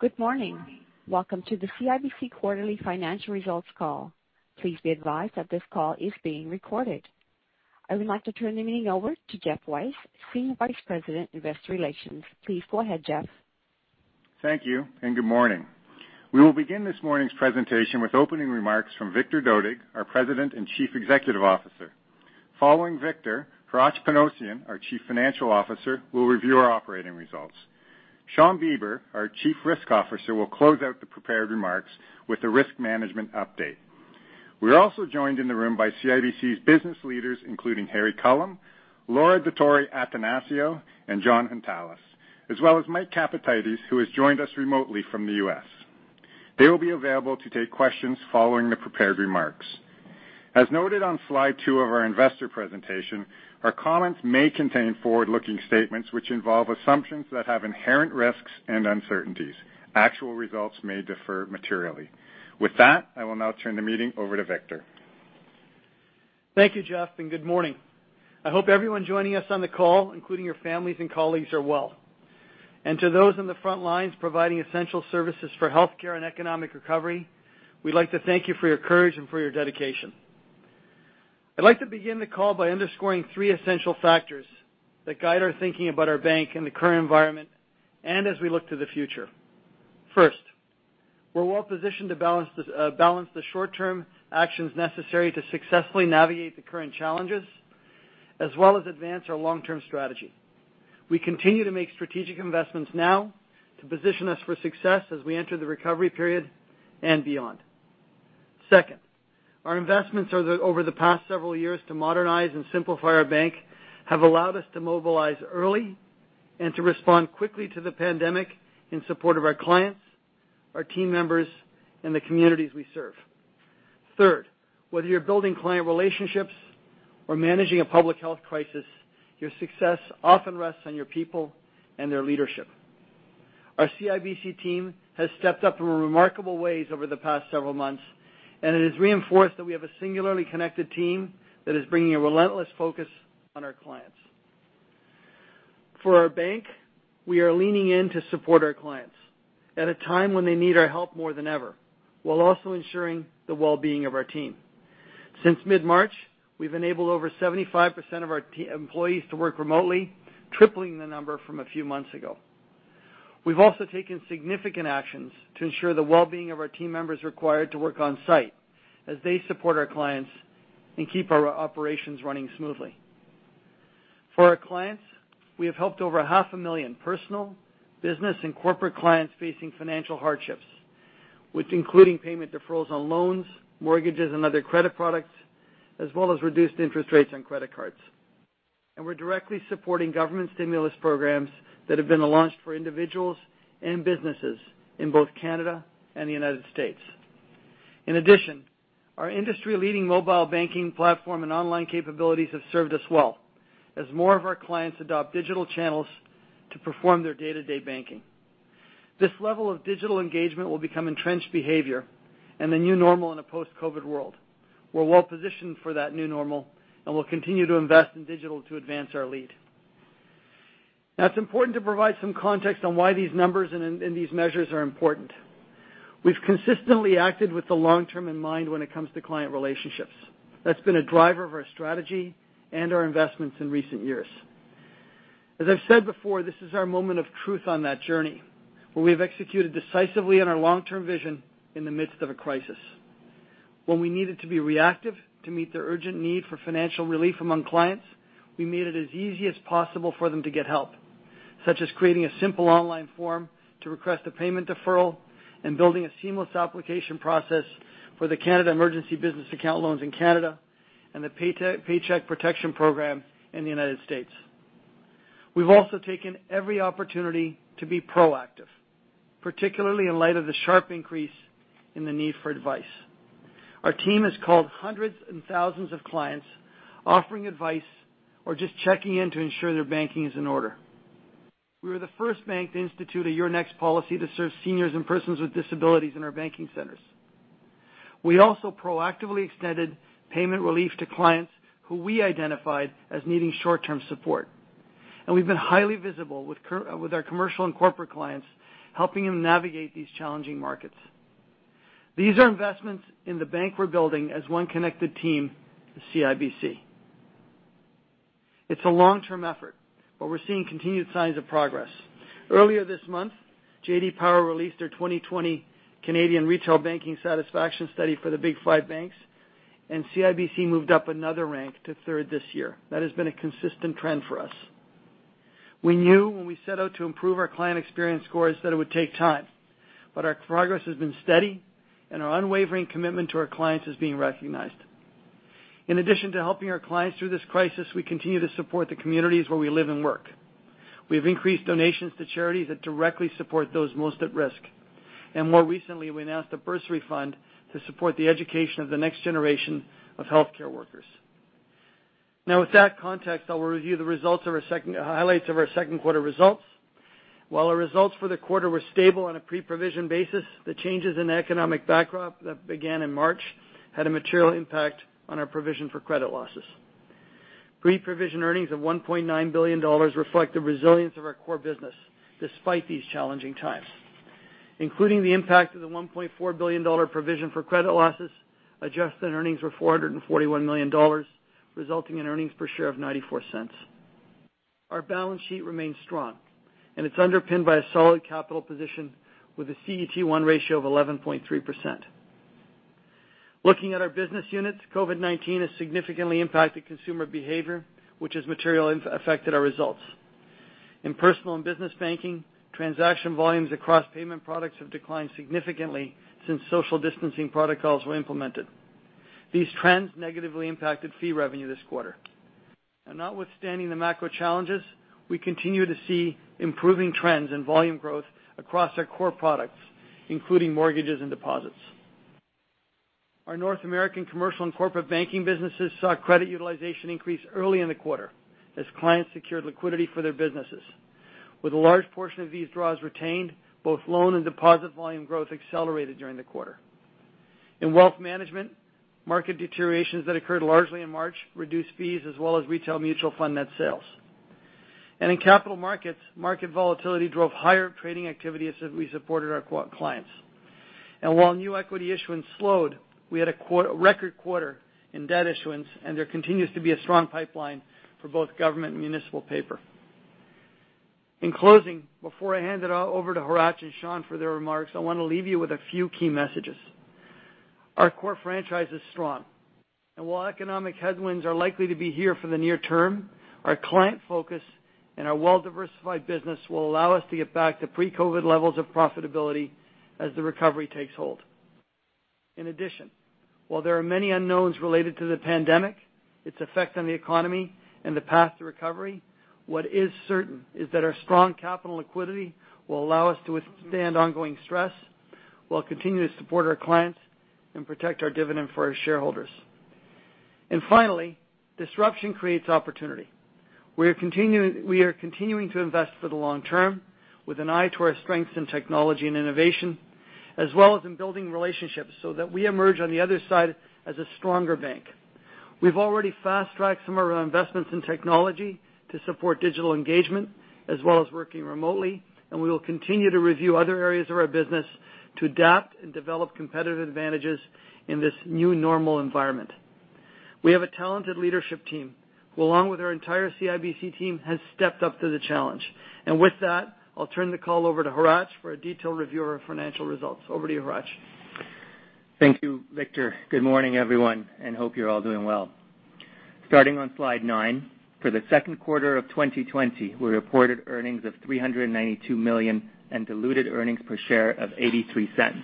Good morning. Welcome to the CIBC Quarterly Financial Results Call. Please be advised that this call is being recorded. I would like to turn the meeting over to Geoff Weiss, Senior Vice President, Investor Relations. Please go ahead, Geoff. Thank you, and good morning. We will begin this morning's presentation with opening remarks from Victor Dodig, our President and Chief Executive Officer. Following Victor, Hratch Panossian, our Chief Financial Officer, will review our operating results. Shawn Beber, our Chief Risk Officer, will close out the prepared remarks with a risk management update. We are also joined in the room by CIBC's business leaders, including Harry Culham, Laura Dottori, Atanasio, and Jon Hountalas, as well as Mike Capatides, who has joined us remotely from the U.S. They will be available to take questions following the prepared remarks. As noted on slide two of our investor presentation, our comments may contain forward-looking statements which involve assumptions that have inherent risks and uncertainties. Actual results may differ materially. With that, I will now turn the meeting over to Victor. Thank you, Geoff, and good morning. I hope everyone joining us on the call, including your families and colleagues, are well. To those on the front lines providing essential services for healthcare and economic recovery, we'd like to thank you for your courage and for your dedication. I'd like to begin the call by underscoring three essential factors that guide our thinking about our bank and the current environment as we look to the future. First, we're well positioned to balance the short-term actions necessary to successfully navigate the current challenges, as well as advance our long-term strategy. We continue to make strategic investments now to position us for success as we enter the recovery period and beyond. Second, our investments over the past several years to modernize and simplify our bank have allowed us to mobilize early and to respond quickly to the pandemic in support of our clients, our team members, and the communities we serve. Third, whether you're building client relationships or managing a public health crisis, your success often rests on your people and their leadership. Our CIBC team has stepped up in remarkable ways over the past several months, and it is reinforced that we have a singularly connected team that is bringing a relentless focus on our clients. For our bank, we are leaning in to support our clients at a time when they need our help more than ever, while also ensuring the well-being of our team. Since mid-March, we've enabled over 75% of our employees to work remotely, tripling the number from a few months ago. have also taken significant actions to ensure the well-being of our team members required to work on-site as they support our clients and keep our operations running smoothly. For our clients, we have helped over 500,000 personal, business, and corporate clients facing financial hardships, including payment deferrals on loans, mortgages, and other credit products, as well as reduced interest rates on credit cards. We are directly supporting government stimulus programs that have been launched for individuals and businesses in both Canada and the U.S. In addition, our industry-leading mobile banking platform and online capabilities have served us well as more of our clients adopt digital channels to perform their day-to-day banking. This level of digital engagement will become entrenched behavior and the new normal in a post-COVID world. We are well positioned for that new normal and will continue to invest in digital to advance our lead. Now, it's important to provide some context on why these numbers and these measures are important. We've consistently acted with the long-term in mind when it comes to client relationships. That's been a driver of our strategy and our investments in recent years. As I've said before, this is our moment of truth on that journey, where we've executed decisively on our long-term vision in the midst of a crisis. When we needed to be reactive to meet the urgent need for financial relief among clients, we made it as easy as possible for them to get help, such as creating a simple online form to request a payment deferral and building a seamless application process for the Canada Emergency Business Account loans in Canada and the Paycheck Protection Program in the U.S. We've also taken every opportunity to be proactive, particularly in light of the sharp increase in the need for advice. Our team has called hundreds and thousands of clients, offering advice or just checking in to ensure their banking is in order. We were the first bank to institute a Your Next Policy to serve seniors and persons with disabilities in our banking centers. We also proactively extended payment relief to clients who we identified as needing short-term support. We have been highly visible with our commercial and corporate clients, helping them navigate these challenging markets. These are investments in the bank we're building as one connected team to CIBC. It's a long-term effort, but we're seeing continued signs of progress. Earlier this month, J.D. Power released their 2020 Canadian Retail Banking Satisfaction Study for the big five banks, and CIBC moved up another rank to third this year. That has been a consistent trend for us. We knew when we set out to improve our client experience scores that it would take time, but our progress has been steady, and our unwavering commitment to our clients is being recognized. In addition to helping our clients through this crisis, we continue to support the communities where we live and work. We have increased donations to charities that directly support those most at risk. More recently, we announced a bursary fund to support the education of the next generation of healthcare workers. Now, with that context, I will review the highlights of our second quarter results. While our results for the quarter were stable on a pre-provision basis, the changes in the economic backdrop that began in March had a material impact on our provision for credit losses. Pre-provision earnings of CAD $1.9 billion reflect the resilience of our core business despite these challenging times. Including the impact of the CAD $1.4 billion provision for credit losses, adjusted earnings were CAD $441 million, resulting in earnings per share of CAD $0.94. Our balance sheet remains strong, and it is underpinned by a solid capital position with a CET1 ratio of 11.3%. Looking at our business units, COVID-19 has significantly impacted consumer behavior, which has materially affected our results. In Personal and Business Banking, transaction volumes across payment products have declined significantly since social distancing protocols were implemented. These trends negatively impacted fee revenue this quarter. Notwithstanding the macro challenges, we continue to see improving trends in volume growth across our core products, including mortgages and deposits. Our North American commercial and corporate banking businesses saw credit utilization increase early in the quarter as clients secured liquidity for their businesses. With a large portion of these draws retained, both loan and deposit volume growth accelerated during the quarter. In wealth management, market deteriorations that occurred largely in March reduced fees as well as retail mutual fund net sales. In capital markets, market volatility drove higher trading activity as we supported our clients. While new equity issuance slowed, we had a record quarter in debt issuance, and there continues to be a strong pipeline for both government and municipal paper. In closing, before I hand it over to Hratch and Shawn for their remarks, I want to leave you with a few key messages. Our core franchise is strong, and while economic headwinds are likely to be here for the near term, our client focus and our well-diversified business will allow us to get back to pre-COVID levels of profitability as the recovery takes hold. In addition, while there are many unknowns related to the pandemic, its effect on the economy, and the path to recovery, what is certain is that our strong capital liquidity will allow us to withstand ongoing stress while continuing to support our clients and protect our dividend for our shareholders. Finally, disruption creates opportunity. We are continuing to invest for the long term with an eye to our strengths in technology and innovation, as well as in building relationships so that we emerge on the other side as a stronger bank. We have already fast-tracked some of our investments in technology to support digital engagement as well as working remotely, and we will continue to review other areas of our business to adapt and develop competitive advantages in this new normal environment. We have a talented leadership team who, along with our entire CIBC team, has stepped up to the challenge. With that, I'll turn the call over to Hratch for a detailed review of our financial results. Over to you, Hratch. Thank you, Victor. Good morning, everyone, and hope you're all doing well. Starting on slide nine, for the second quarter of 2020, we reported earnings of CAD $392 million and diluted earnings per share of CAD $0.83.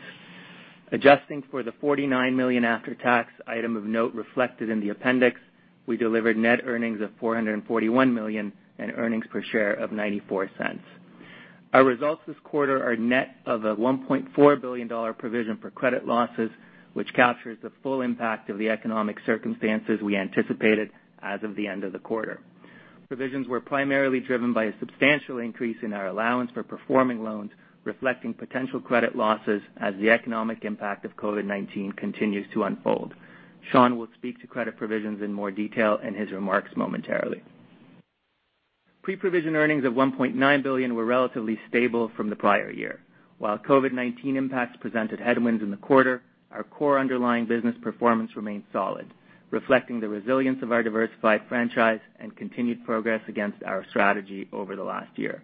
Adjusting for the CAD $49 million after-tax item of note reflected in the appendix, we delivered net earnings of CAD $441 million and earnings per share of CAD $0.94. Our results this quarter are net of a CAD $1.4 billion provision for credit losses, which captures the full impact of the economic circumstances we anticipated as of the end of the quarter. Provisions were primarily driven by a substantial increase in our allowance for performing loans, reflecting potential credit losses as the economic impact of COVID-19 continues to unfold. Shawn will speak to credit provisions in more detail in his remarks momentarily. Pre-provision earnings of CAD $1.9 billion were relatively stable from the prior year. While COVID-19 impacts presented headwinds in the quarter, our core underlying business performance remained solid, reflecting the resilience of our diversified franchise and continued progress against our strategy over the last year.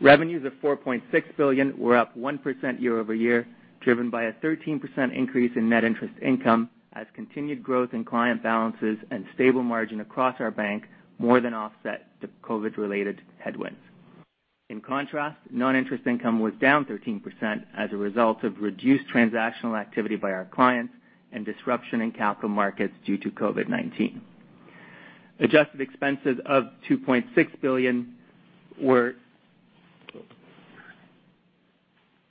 Revenues of CAD $4.6 billion were up 1% year-over-year, driven by a 13% increase in net interest income as continued growth in client balances and stable margin across our bank more than offset the COVID-related headwinds. In contrast, non-interest income was down 13% as a result of reduced transactional activity by our clients and disruption in capital markets due to COVID-19. Adjusted expenses of CAD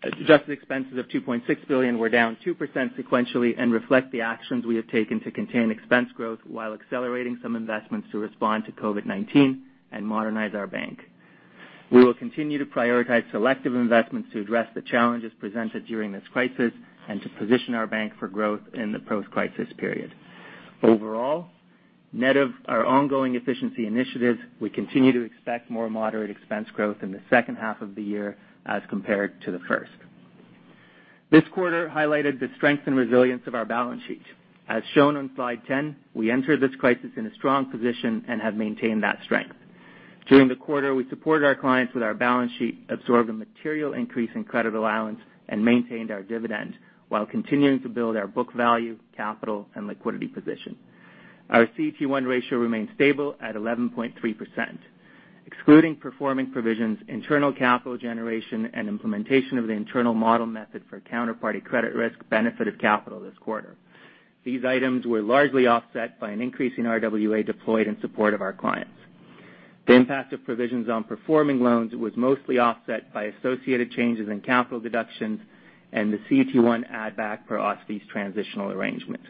$2.6 billion were down 2% sequentially and reflect the actions we have taken to contain expense growth while accelerating some investments to respond to COVID-19 and modernize our bank. We will continue to prioritize selective investments to address the challenges presented during this crisis and to position our bank for growth in the post-crisis period. Overall, net of our ongoing efficiency initiatives, we continue to expect more moderate expense growth in the second half of the year as compared to the first. This quarter highlighted the strength and resilience of our balance sheet. As shown on slide 10, we entered this crisis in a strong position and have maintained that strength. During the quarter, we supported our clients with our balance sheet, absorbed a material increase in credit allowance, and maintained our dividend while continuing to build our book value, capital, and liquidity position. Our CET1 ratio remained stable at 11.3%. Excluding performing provisions, internal capital generation and implementation of the internal model method for counterparty credit risk benefited capital this quarter. These items were largely offset by an increase in RWA deployed in support of our clients. The impact of provisions on performing loans was mostly offset by associated changes in capital deductions and the CET1 add-back per OSFI's transitional arrangement.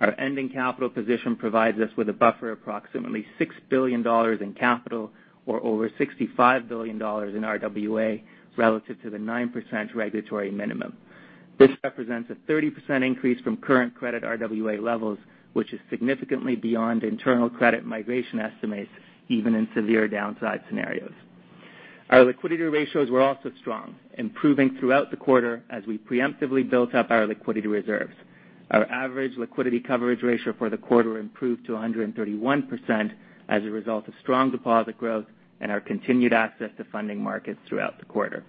Our ending capital position provides us with a buffer of approximately CAD $6 billion in capital or over CAD $65 billion in RWA relative to the 9% regulatory minimum. This represents a 30% increase from current credit RWA levels, which is significantly beyond internal credit migration estimates even in severe downside scenarios. Our liquidity ratios were also strong, improving throughout the quarter as we preemptively built up our liquidity reserves. Our average liquidity coverage ratio for the quarter improved to 131% as a result of strong deposit growth and our continued access to funding markets throughout the quarter.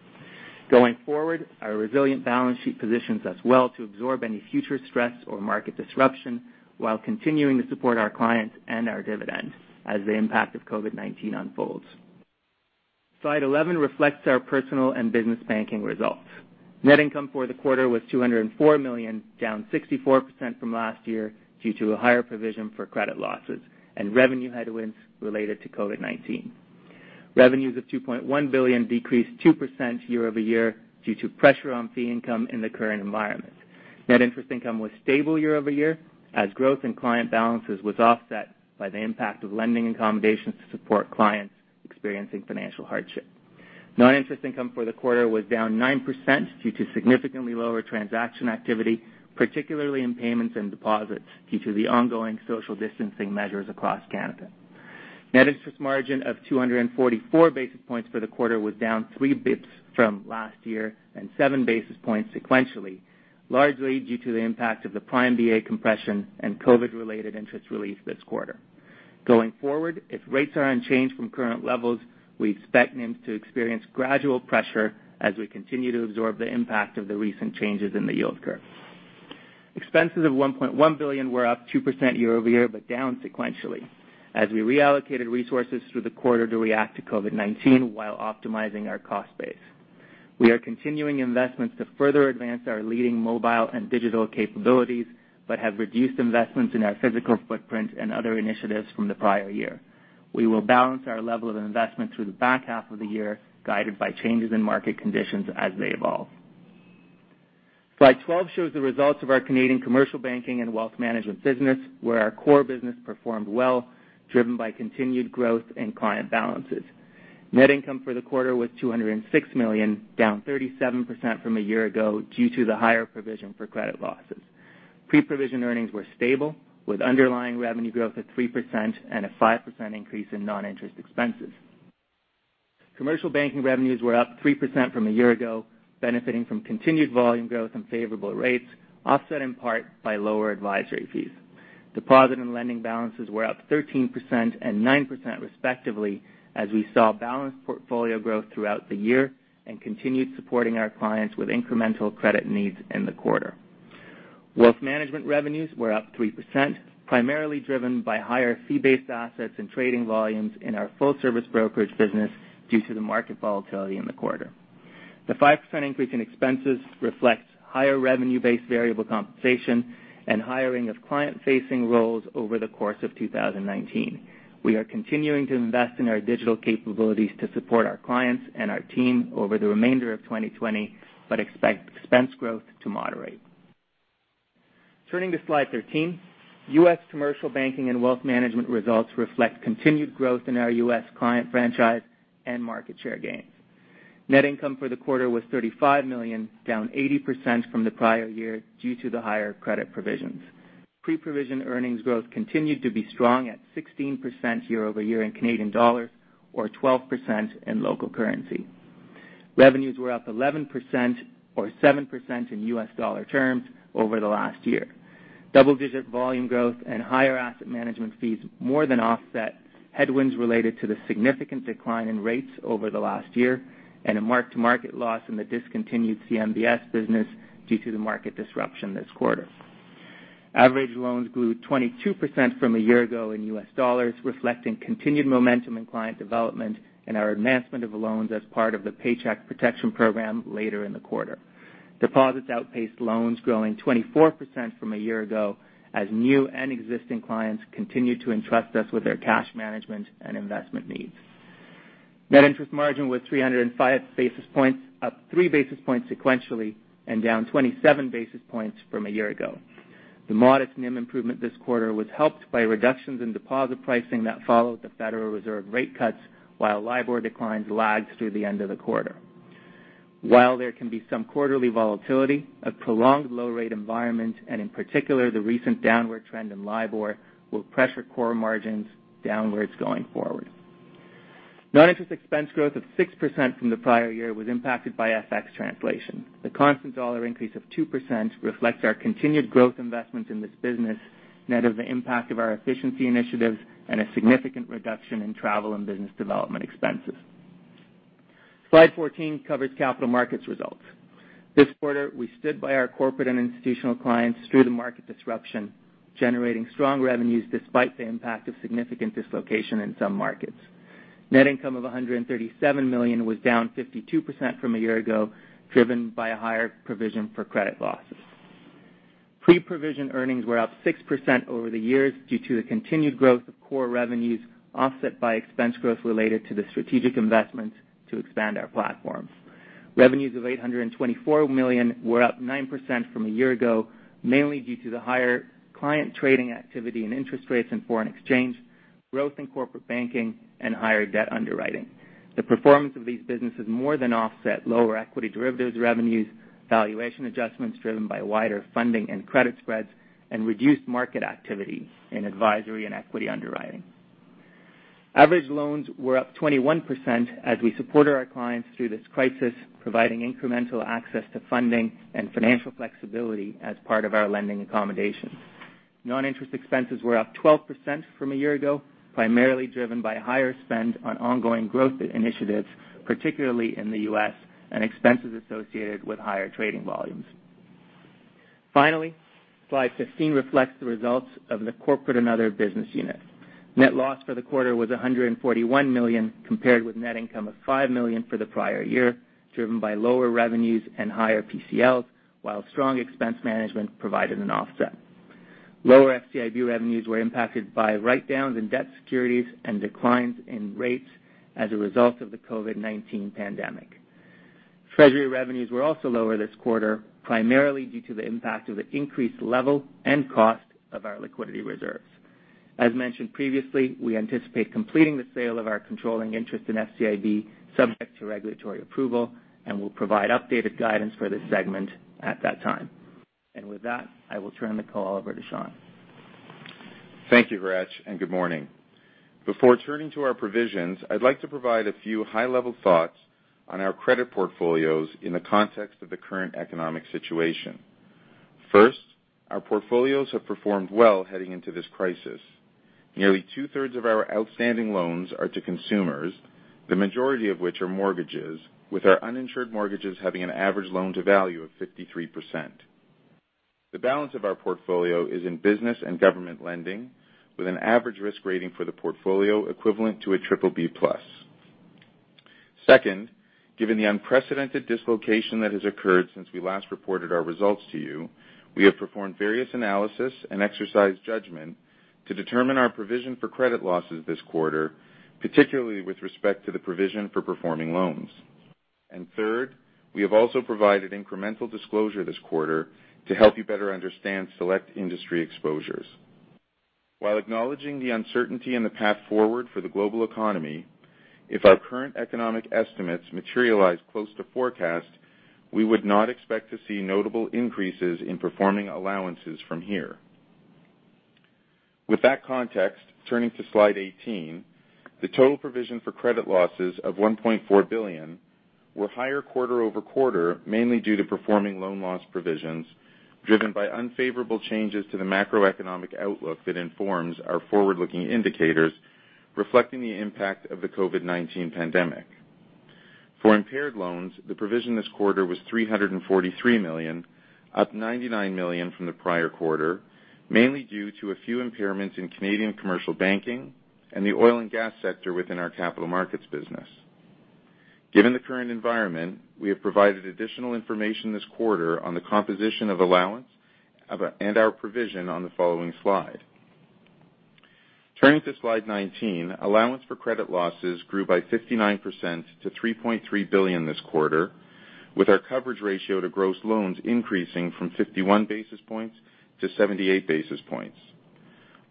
Going forward, our resilient balance sheet positions us well to absorb any future stress or market disruption while continuing to support our clients and our dividend as the impact of COVID-19 unfolds. Slide 11 reflects our Personal and Business Banking results. Net income for the quarter was CAD $204 million, down 64% from last year due to a higher provision for credit losses and revenue headwinds related to COVID-19. Revenues of CAD $2.1 billion decreased 2% year over year due to pressure on fee income in the current environment. Net interest income was stable year over year as growth in client balances was offset by the impact of lending accommodations to support clients experiencing financial hardship. Non-interest income for the quarter was down 9% due to significantly lower transaction activity, particularly in payments and deposits due to the ongoing social distancing measures across Canada. Net interest margin of 244 basis points for the quarter was down three basis points from last year and seven basis points sequentially, largely due to the impact of the Prime VA compression and COVID-related interest relief this quarter. Going forward, if rates are unchanged from current levels, we expect NIMS to experience gradual pressure as we continue to absorb the impact of the recent changes in the yield curve. Expenses of CAD $1.1 billion were up 2% year-over-year but down sequentially as we reallocated resources through the quarter to react to COVID-19 while optimizing our cost base. We are continuing investments to further advance our leading mobile and digital capabilities but have reduced investments in our physical footprint and other initiatives from the prior year. We will balance our level of investment through the back half of the year guided by changes in market conditions as they evolve. Slide 12 shows the results of our Canadian commercial banking and wealth management business, where our core business performed well, driven by continued growth in client balances. Net income for the quarter was CAD $206 million, down 37% from a year ago due to the higher provision for credit losses. Pre-provision earnings were stable with underlying revenue growth of 3% and a 5% increase in non-interest expenses. Commercial banking revenues were up 3% from a year ago, benefiting from continued volume growth and favorable rates, offset in part by lower advisory fees. Deposit and lending balances were up 13% and 9% respectively as we saw balanced portfolio growth throughout the year and continued supporting our clients with incremental credit needs in the quarter. Wealth management revenues were up 3%, primarily driven by higher fee-based assets and trading volumes in our full-service brokerage business due to the market volatility in the quarter. The 5% increase in expenses reflects higher revenue-based variable compensation and hiring of client-facing roles over the course of 2019. We are continuing to invest in our digital capabilities to support our clients and our team over the remainder of 2020 but expect expense growth to moderate. Turning to slide 13, U.S. commercial banking and wealth management results reflect continued growth in our U.S. client franchise and market share gains. Net income for the quarter was $35 million, down 80% from the prior year due to the higher credit provisions. Pre-provision earnings growth continued to be strong at 16% year over year in Canadian dollars or 12% in local currency. Revenues were up 11% or 7% in U.S. dollar terms over the last year. Double-digit volume growth and higher asset management fees more than offset headwinds related to the significant decline in rates over the last year and a marked market loss in the discontinued CMBS business due to the market disruption this quarter. Average loans grew 22% from a year ago in U.S. dollars, reflecting continued momentum in client development and our advancement of loans as part of the Paycheck Protection Program later in the quarter. Deposits outpaced loans, growing 24% from a year ago as new and existing clients continued to entrust us with their cash management and investment needs. Net interest margin was 305 basis points, up 3 basis points sequentially, and down 27 basis points from a year ago. The modest NIM improvement this quarter was helped by reductions in deposit pricing that followed the Federal Reserve rate cuts, while Libor declines lagged through the end of the quarter. While there can be some quarterly volatility, a prolonged low-rate environment, and in particular the recent downward trend in Libor, will pressure core margins downwards going forward. Non-interest expense growth of 6% from the prior year was impacted by FX translation. The constant dollar increase of 2% reflects our continued growth investments in this business, net of the impact of our efficiency initiatives and a significant reduction in travel and business development expenses. Slide 14 covers capital markets results. This quarter, we stood by our corporate and institutional clients through the market disruption, generating strong revenues despite the impact of significant dislocation in some markets. Net income of $137 million was down 52% from a year ago, driven by a higher provision for credit losses. Pre-provision earnings were up 6% over the years due to the continued growth of core revenues offset by expense growth related to the strategic investments to expand our platform. Revenues of CAD $824 million were up 9% from a year ago, mainly due to the higher client trading activity in interest rates and foreign exchange, growth in corporate banking, and higher debt underwriting. The performance of these businesses more than offset lower equity derivatives revenues, valuation adjustments driven by wider funding and credit spreads, and reduced market activity in advisory and equity underwriting. Average loans were up 21% as we supported our clients through this crisis, providing incremental access to funding and financial flexibility as part of our lending accommodations. Non-interest expenses were up 12% from a year ago, primarily driven by higher spend on ongoing growth initiatives, particularly in the U.S., and expenses associated with higher trading volumes. Finally, slide 15 reflects the results of the Corporate and Other business unit. Net loss for the quarter was $141 million, compared with net income of $5 million for the prior year, driven by lower revenues and higher PCLs, while strong expense management provided an offset. Lower FCIB revenues were impacted by write-downs in debt securities and declines in rates as a result of the COVID-19 pandemic. Treasury revenues were also lower this quarter, primarily due to the impact of the increased level and cost of our liquidity reserves. As mentioned previously, we anticipate completing the sale of our controlling interest in FCIB, subject to regulatory approval, and will provide updated guidance for this segment at that time. I will turn the call over to Shawn. Thank you, Hratch, and good morning. Before turning to our provisions, I'd like to provide a few high-level thoughts on our credit portfolios in the context of the current economic situation. First, our portfolios have performed well heading into this crisis. Nearly two-thirds of our outstanding loans are to consumers, the majority of which are mortgages, with our uninsured mortgages having an average loan-to-value of 53%. The balance of our portfolio is in business and government lending, with an average risk rating for the portfolio equivalent to a BBB plus. Second, given the unprecedented dislocation that has occurred since we last reported our results to you, we have performed various analysis and exercised judgment to determine our provision for credit losses this quarter, particularly with respect to the provision for performing loans. Third, we have also provided incremental disclosure this quarter to help you better understand select industry exposures. While acknowledging the uncertainty in the path forward for the global economy, if our current economic estimates materialize close to forecast, we would not expect to see notable increases in performing allowances from here. With that context, turning to slide 18, the total provision for credit losses of $1.4 billion were higher quarter over quarter, mainly due to performing loan loss provisions driven by unfavorable changes to the macroeconomic outlook that informs our forward-looking indicators, reflecting the impact of the COVID-19 pandemic. For impaired loans, the provision this quarter was $343 million, up $99 million from the prior quarter, mainly due to a few impairments in Canadian commercial banking and the oil and gas sector within our capital markets business. Given the current environment, we have provided additional information this quarter on the composition of allowance and our provision on the following slide. Turning to slide 19, allowance for credit losses grew by 59% to CAD $3.3 billion this quarter, with our coverage ratio to gross loans increasing from 51 basis points to 78 basis points.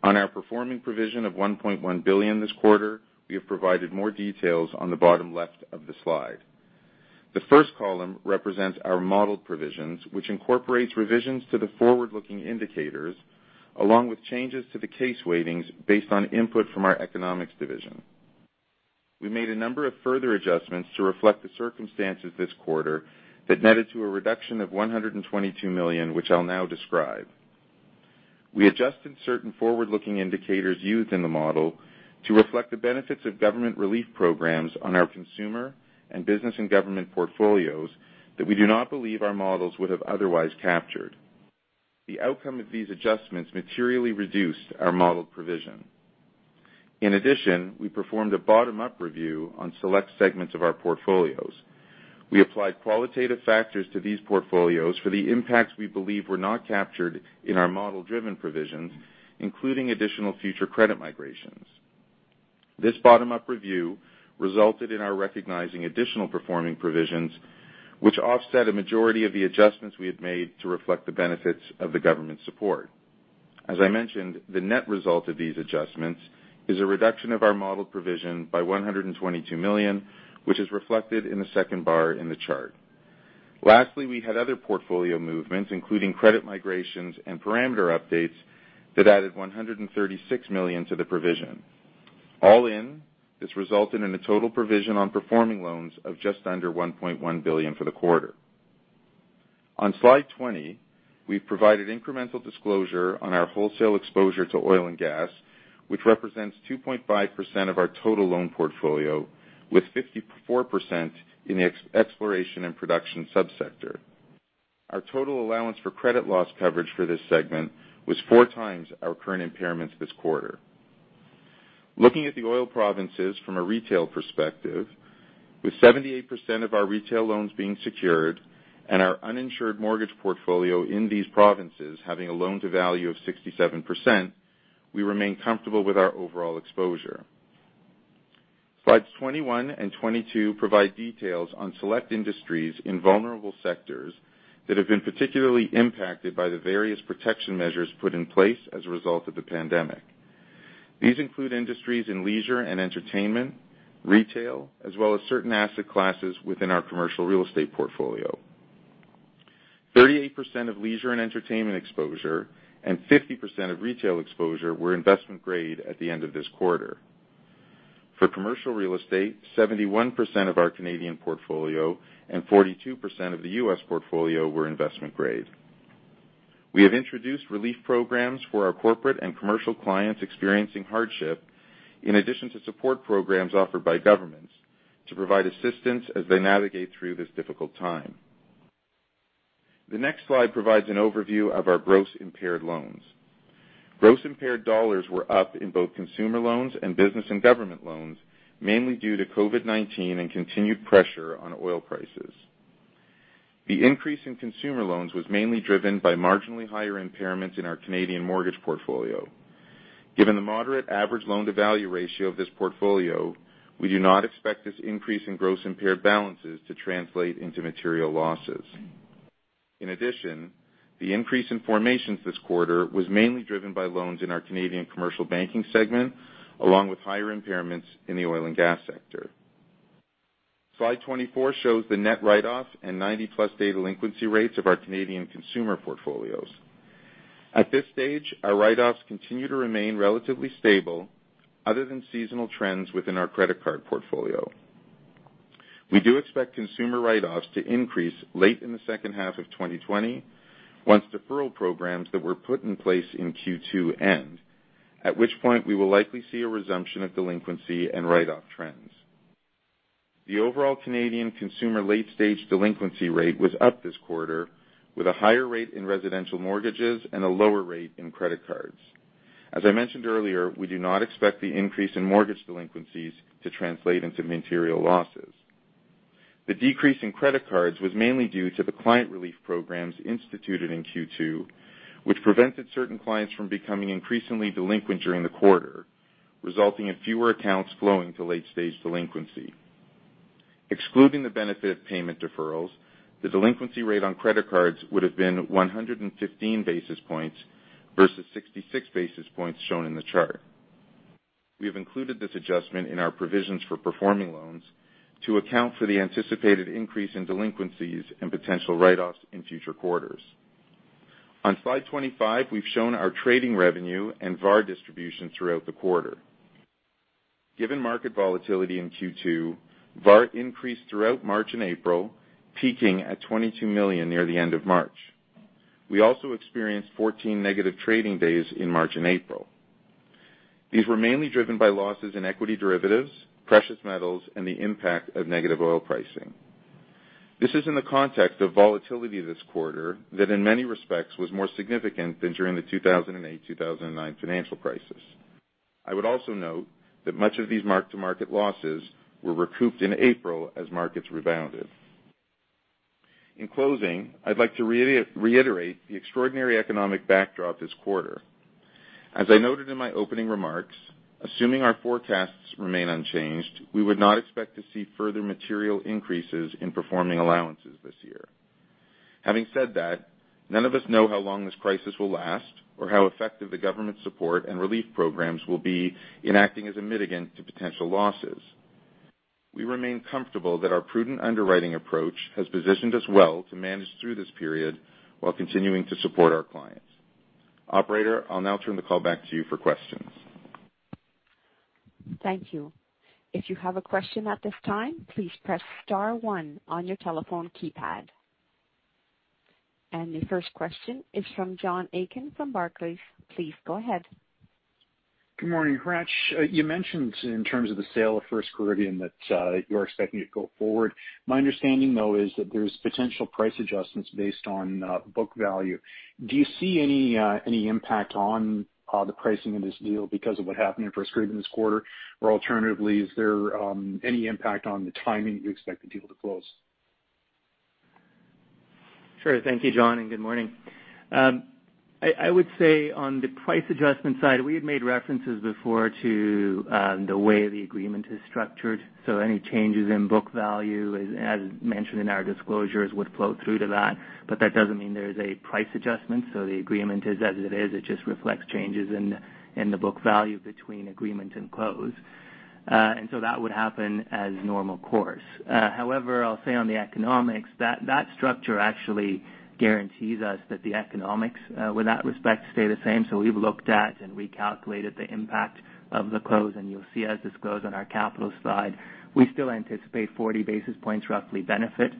On our performing provision of CAD $1.1 billion this quarter, we have provided more details on the bottom left of the slide. The first column represents our modeled provisions, which incorporates revisions to the forward-looking indicators along with changes to the case weightings based on input from our economics division. We made a number of further adjustments to reflect the circumstances this quarter that netted to a reduction of CAD $122 million, which I'll now describe. We adjusted certain forward-looking indicators used in the model to reflect the benefits of government relief programs on our consumer and business and government portfolios that we do not believe our models would have otherwise captured. The outcome of these adjustments materially reduced our modeled provision. In addition, we performed a bottom-up review on select segments of our portfolios. We applied qualitative factors to these portfolios for the impacts we believe were not captured in our model-driven provisions, including additional future credit migrations. This bottom-up review resulted in our recognizing additional performing provisions, which offset a majority of the adjustments we had made to reflect the benefits of the government support. As I mentioned, the net result of these adjustments is a reduction of our modeled provision by CAD $122 million, which is reflected in the second bar in the chart. Lastly, we had other portfolio movements, including credit migrations and parameter updates that added CAD $136 million to the provision. All in, this resulted in a total provision on performing loans of just under CAD $1.1 billion for the quarter. On slide 20, we've provided incremental disclosure on our wholesale exposure to oil and gas, which represents 2.5% of our total loan portfolio, with 54% in the exploration and production subsector. Our total allowance for credit loss coverage for this segment was four times our current impairments this quarter. Looking at the oil provinces from a retail perspective, with 78% of our retail loans being secured and our uninsured mortgage portfolio in these provinces having a loan-to-value of 67%, we remain comfortable with our overall exposure. Slides 21 and 22 provide details on select industries in vulnerable sectors that have been particularly impacted by the various protection measures put in place as a result of the pandemic. These include industries in leisure and entertainment, retail, as well as certain asset classes within our commercial real estate portfolio. 38% of leisure and entertainment exposure and 50% of retail exposure were investment-grade at the end of this quarter. For commercial real estate, 71% of our Canadian portfolio and 42% of the U.S. portfolio were investment-grade. We have introduced relief programs for our corporate and commercial clients experiencing hardship, in addition to support programs offered by governments to provide assistance as they navigate through this difficult time. The next slide provides an overview of our gross impaired loans. Gross impaired dollars were up in both consumer loans and business and government loans, mainly due to COVID-19 and continued pressure on oil prices. The increase in consumer loans was mainly driven by marginally higher impairments in our Canadian mortgage portfolio. Given the moderate average loan-to-value ratio of this portfolio, we do not expect this increase in gross impaired balances to translate into material losses. In addition, the increase in formations this quarter was mainly driven by loans in our Canadian commercial banking segment, along with higher impairments in the oil and gas sector. Slide 24 shows the net write-off and 90-plus day delinquency rates of our Canadian consumer portfolios. At this stage, our write-offs continue to remain relatively stable, other than seasonal trends within our credit card portfolio. We do expect consumer write-offs to increase late in the second half of 2020, once deferral programs that were put in place in Q2 end, at which point we will likely see a resumption of delinquency and write-off trends. The overall Canadian consumer late-stage delinquency rate was up this quarter, with a higher rate in residential mortgages and a lower rate in credit cards. As I mentioned earlier, we do not expect the increase in mortgage delinquencies to translate into material losses. The decrease in credit cards was mainly due to the client relief programs instituted in Q2, which prevented certain clients from becoming increasingly delinquent during the quarter, resulting in fewer accounts flowing to late-stage delinquency. Excluding the benefit of payment deferrals, the delinquency rate on credit cards would have been 115 basis points versus 66 basis points shown in the chart. We have included this adjustment in our provisions for performing loans to account for the anticipated increase in delinquencies and potential write-offs in future quarters. On slide 25, we've shown our trading revenue and VAR distribution throughout the quarter. Given market volatility in Q2, VAR increased throughout March and April, peaking at $22 million near the end of March. We also experienced 14 negative trading days in March and April. These were mainly driven by losses in equity derivatives, precious metals, and the impact of negative oil pricing. This is in the context of volatility this quarter that, in many respects, was more significant than during the 2008-2009 financial crisis. I would also note that much of these mark-to-market losses were recouped in April as markets rebounded. In closing, I'd like to reiterate the extraordinary economic backdrop this quarter. As I noted in my opening remarks, assuming our forecasts remain unchanged, we would not expect to see further material increases in performing allowances this year. Having said that, none of us know how long this crisis will last or how effective the government support and relief programs will be in acting as a mitigant to potential losses. We remain comfortable that our prudent underwriting approach has positioned us well to manage through this period while continuing to support our clients. Operator, I'll now turn the call back to you for questions. Thank you. If you have a question at this time, please press star one on your telephone keypad. The first question is from John Aitken from Barclays. Please go ahead. Good morning, Hratch. You mentioned, in terms of the sale of FirstCaribbean, that you're expecting it to go forward. My understanding, though, is that there's potential price adjustments based on book value. Do you see any impact on the pricing of this deal because of what happened in FirstCaribbean this quarter? Alternatively, is there any impact on the timing that you expect the deal to close? Sure. Thank you, John, and good morning. I would say, on the price adjustment side, we had made references before to the way the agreement is structured. Any changes in book value, as mentioned in our disclosures, would flow through to that. That does not mean there's a price adjustment. The agreement is as it is. It just reflects changes in the book value between agreement and close. That would happen as normal course. However, I'll say on the economics, that structure actually guarantees us that the economics, with that respect, stay the same. We've looked at and recalculated the impact of the close, and you'll see, as disclosed on our capital slide, we still anticipate 40 basis points roughly benefit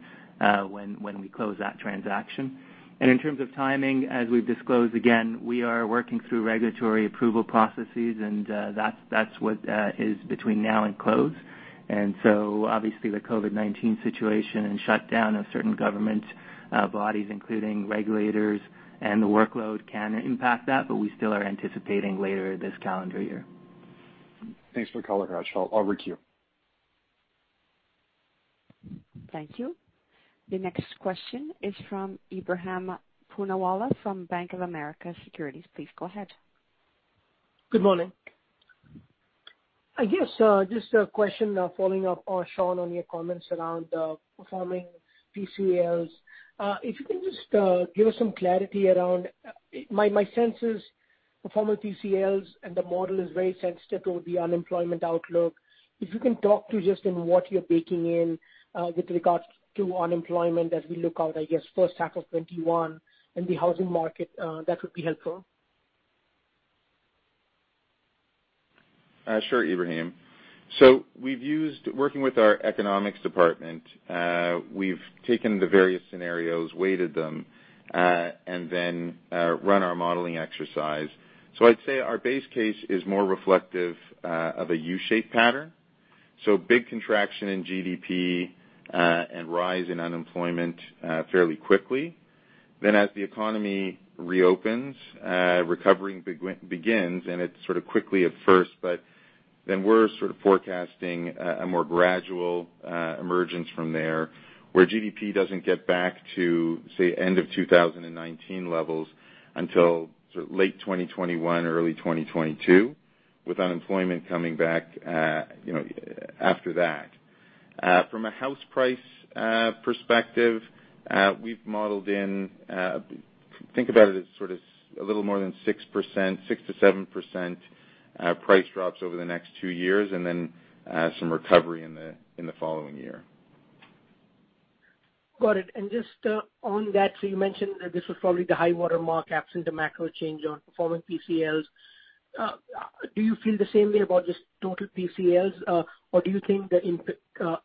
when we close that transaction. In terms of timing, as we've disclosed, again, we are working through regulatory approval processes, and that's what is between now and close. Obviously, the COVID-19 situation and shutdown of certain government bodies, including regulators, and the workload can impact that, but we still are anticipating later this calendar year. Thanks for calling, Hratch. I'll re-queue. Thank you. The next question is from Ebrahim Poonawala from Bank of America Securities. Please go ahead. Good morning. Yes, just a question following up on Shawn on your comments around performing TCLs. If you can just give us some clarity around my sense is performing TCLs and the model is very sensitive to the unemployment outlook. If you can talk to us just in what you're baking in with regards to unemployment as we look out, first half of 2021 and the housing market, that would be helpful. Sure, Ebrahim. We have used, working with our economics department, we have taken the various scenarios, weighted them, and then run our modeling exercise. I would say our base case is more reflective of a U-shaped pattern. Big contraction in GDP and rise in unemployment fairly quickly. As the economy reopens, recovering begins, and it is quickly at first, but we are forecasting a more gradual emergence from there where GDP does not get back to, say, end of 2019 levels until late 2021, early 2022, with unemployment coming back after that. From a house price perspective, we have modeled in, think about it as a little more than 6%-7% price drops over the next two years, and then some recovery in the following year. Got it. Just on that, you mentioned that this was probably the high watermark absent a macro change on performing TCLs. Do you feel the same way about just total TCLs, or do you think the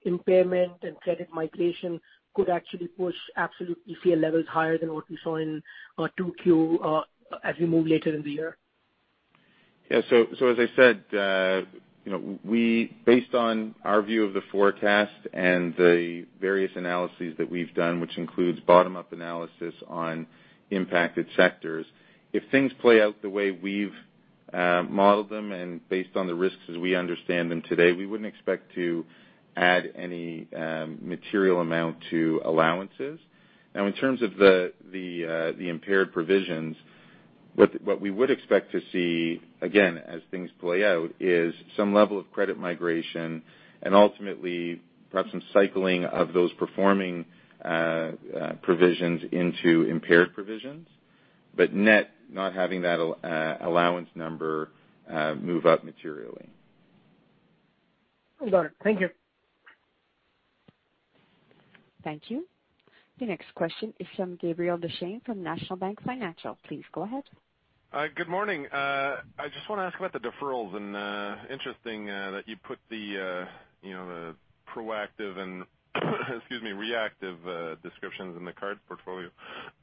impairment and credit migration could actually push absolute TCL levels higher than what we saw in Q2 as we move later in the year? Yeah. As I said, based on our view of the forecast and the various analyses that we've done, which includes bottom-up analysis on impacted sectors, if things play out the way we've modeled them and based on the risks as we understand them today, we wouldn't expect to add any material amount to allowances. Now, in terms of the impaired provisions, what we would expect to see, again, as things play out, is some level of credit migration and ultimately perhaps some cycling of those performing provisions into impaired provisions, but net not having that allowance number move up materially. Got it. Thank you. Thank you. The next question is from Gabriel Dechaine from National Bank Financial. Please go ahead. Good morning. I just want to ask about the deferrals, and interesting that you put the proactive and reactive descriptions in the card portfolio.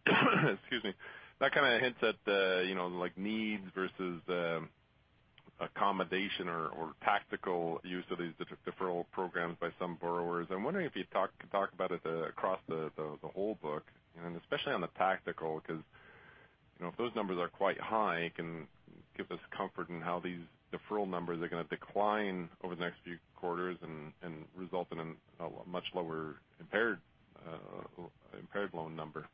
That hints at needs versus accommodation or tactical use of these deferral programs by some borrowers. I'm wondering if you'd talk about it across the whole book, and especially on the tactical, because if those numbers are quite high, it can give us comfort in how these deferral numbers are going to decline over the next few quarters and result in a much lower impaired loan number.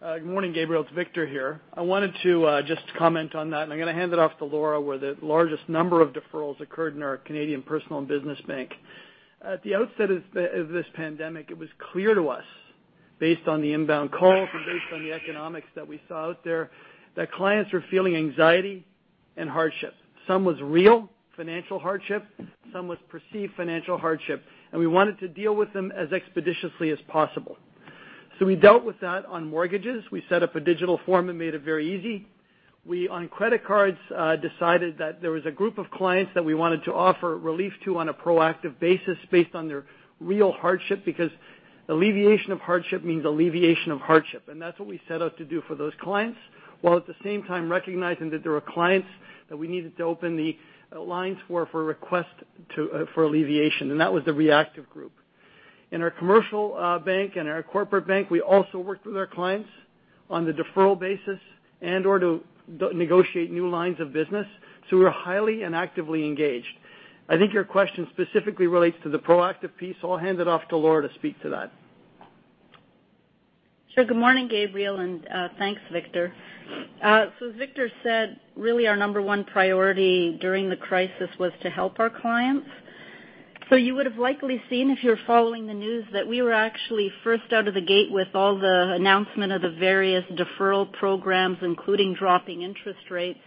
Good morning, Gabriel. It's Victor here. I wanted to just comment on that, and I'm going to hand it off to Laura where the largest number of deferrals occurred in our Canadian Personal and Business Banking. At the outset of this pandemic, it was clear to us, based on the inbound calls and based on the economics that we saw out there, that clients were feeling anxiety and hardship. Some was real financial hardship, some was perceived financial hardship, and we wanted to deal with them as expeditiously as possible. We dealt with that on mortgages. We set up a digital form and made it very easy. We, on credit cards, decided that there was a group of clients that we wanted to offer relief to on a proactive basis based on their real hardship, because alleviation of hardship means alleviation of hardship. That is what we set out to do for those clients, while at the same time recognizing that there were clients that we needed to open the lines for request for alleviation. That was the reactive group. In our commercial bank and our corporate bank, we also worked with our clients on the deferral basis and/or to negotiate new lines of business. We were highly and actively engaged. Your question specifically relates to the proactive piece. I'll hand it off to Laura to speak to that. Sure. Good morning, Gabriel, and thanks, Victor. As Victor said, really our number one priority during the crisis was to help our clients. You would have likely seen, if you're following the news, that we were actually first out of the gate with all the announcement of the various deferral programs, including dropping interest rates.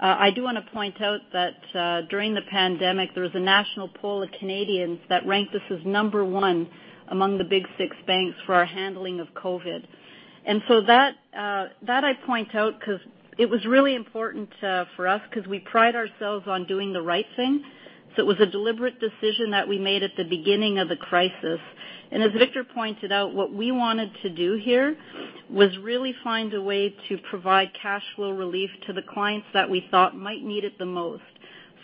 I do want to point out that during the pandemic, there was a national poll of Canadians that ranked us as number one among the big six banks for our handling of COVID. I point that out because it was really important for us because we pride ourselves on doing the right thing. It was a deliberate decision that we made at the beginning of the crisis. As Victor pointed out, what we wanted to do here was really find a way to provide cash flow relief to the clients that we thought might need it the most.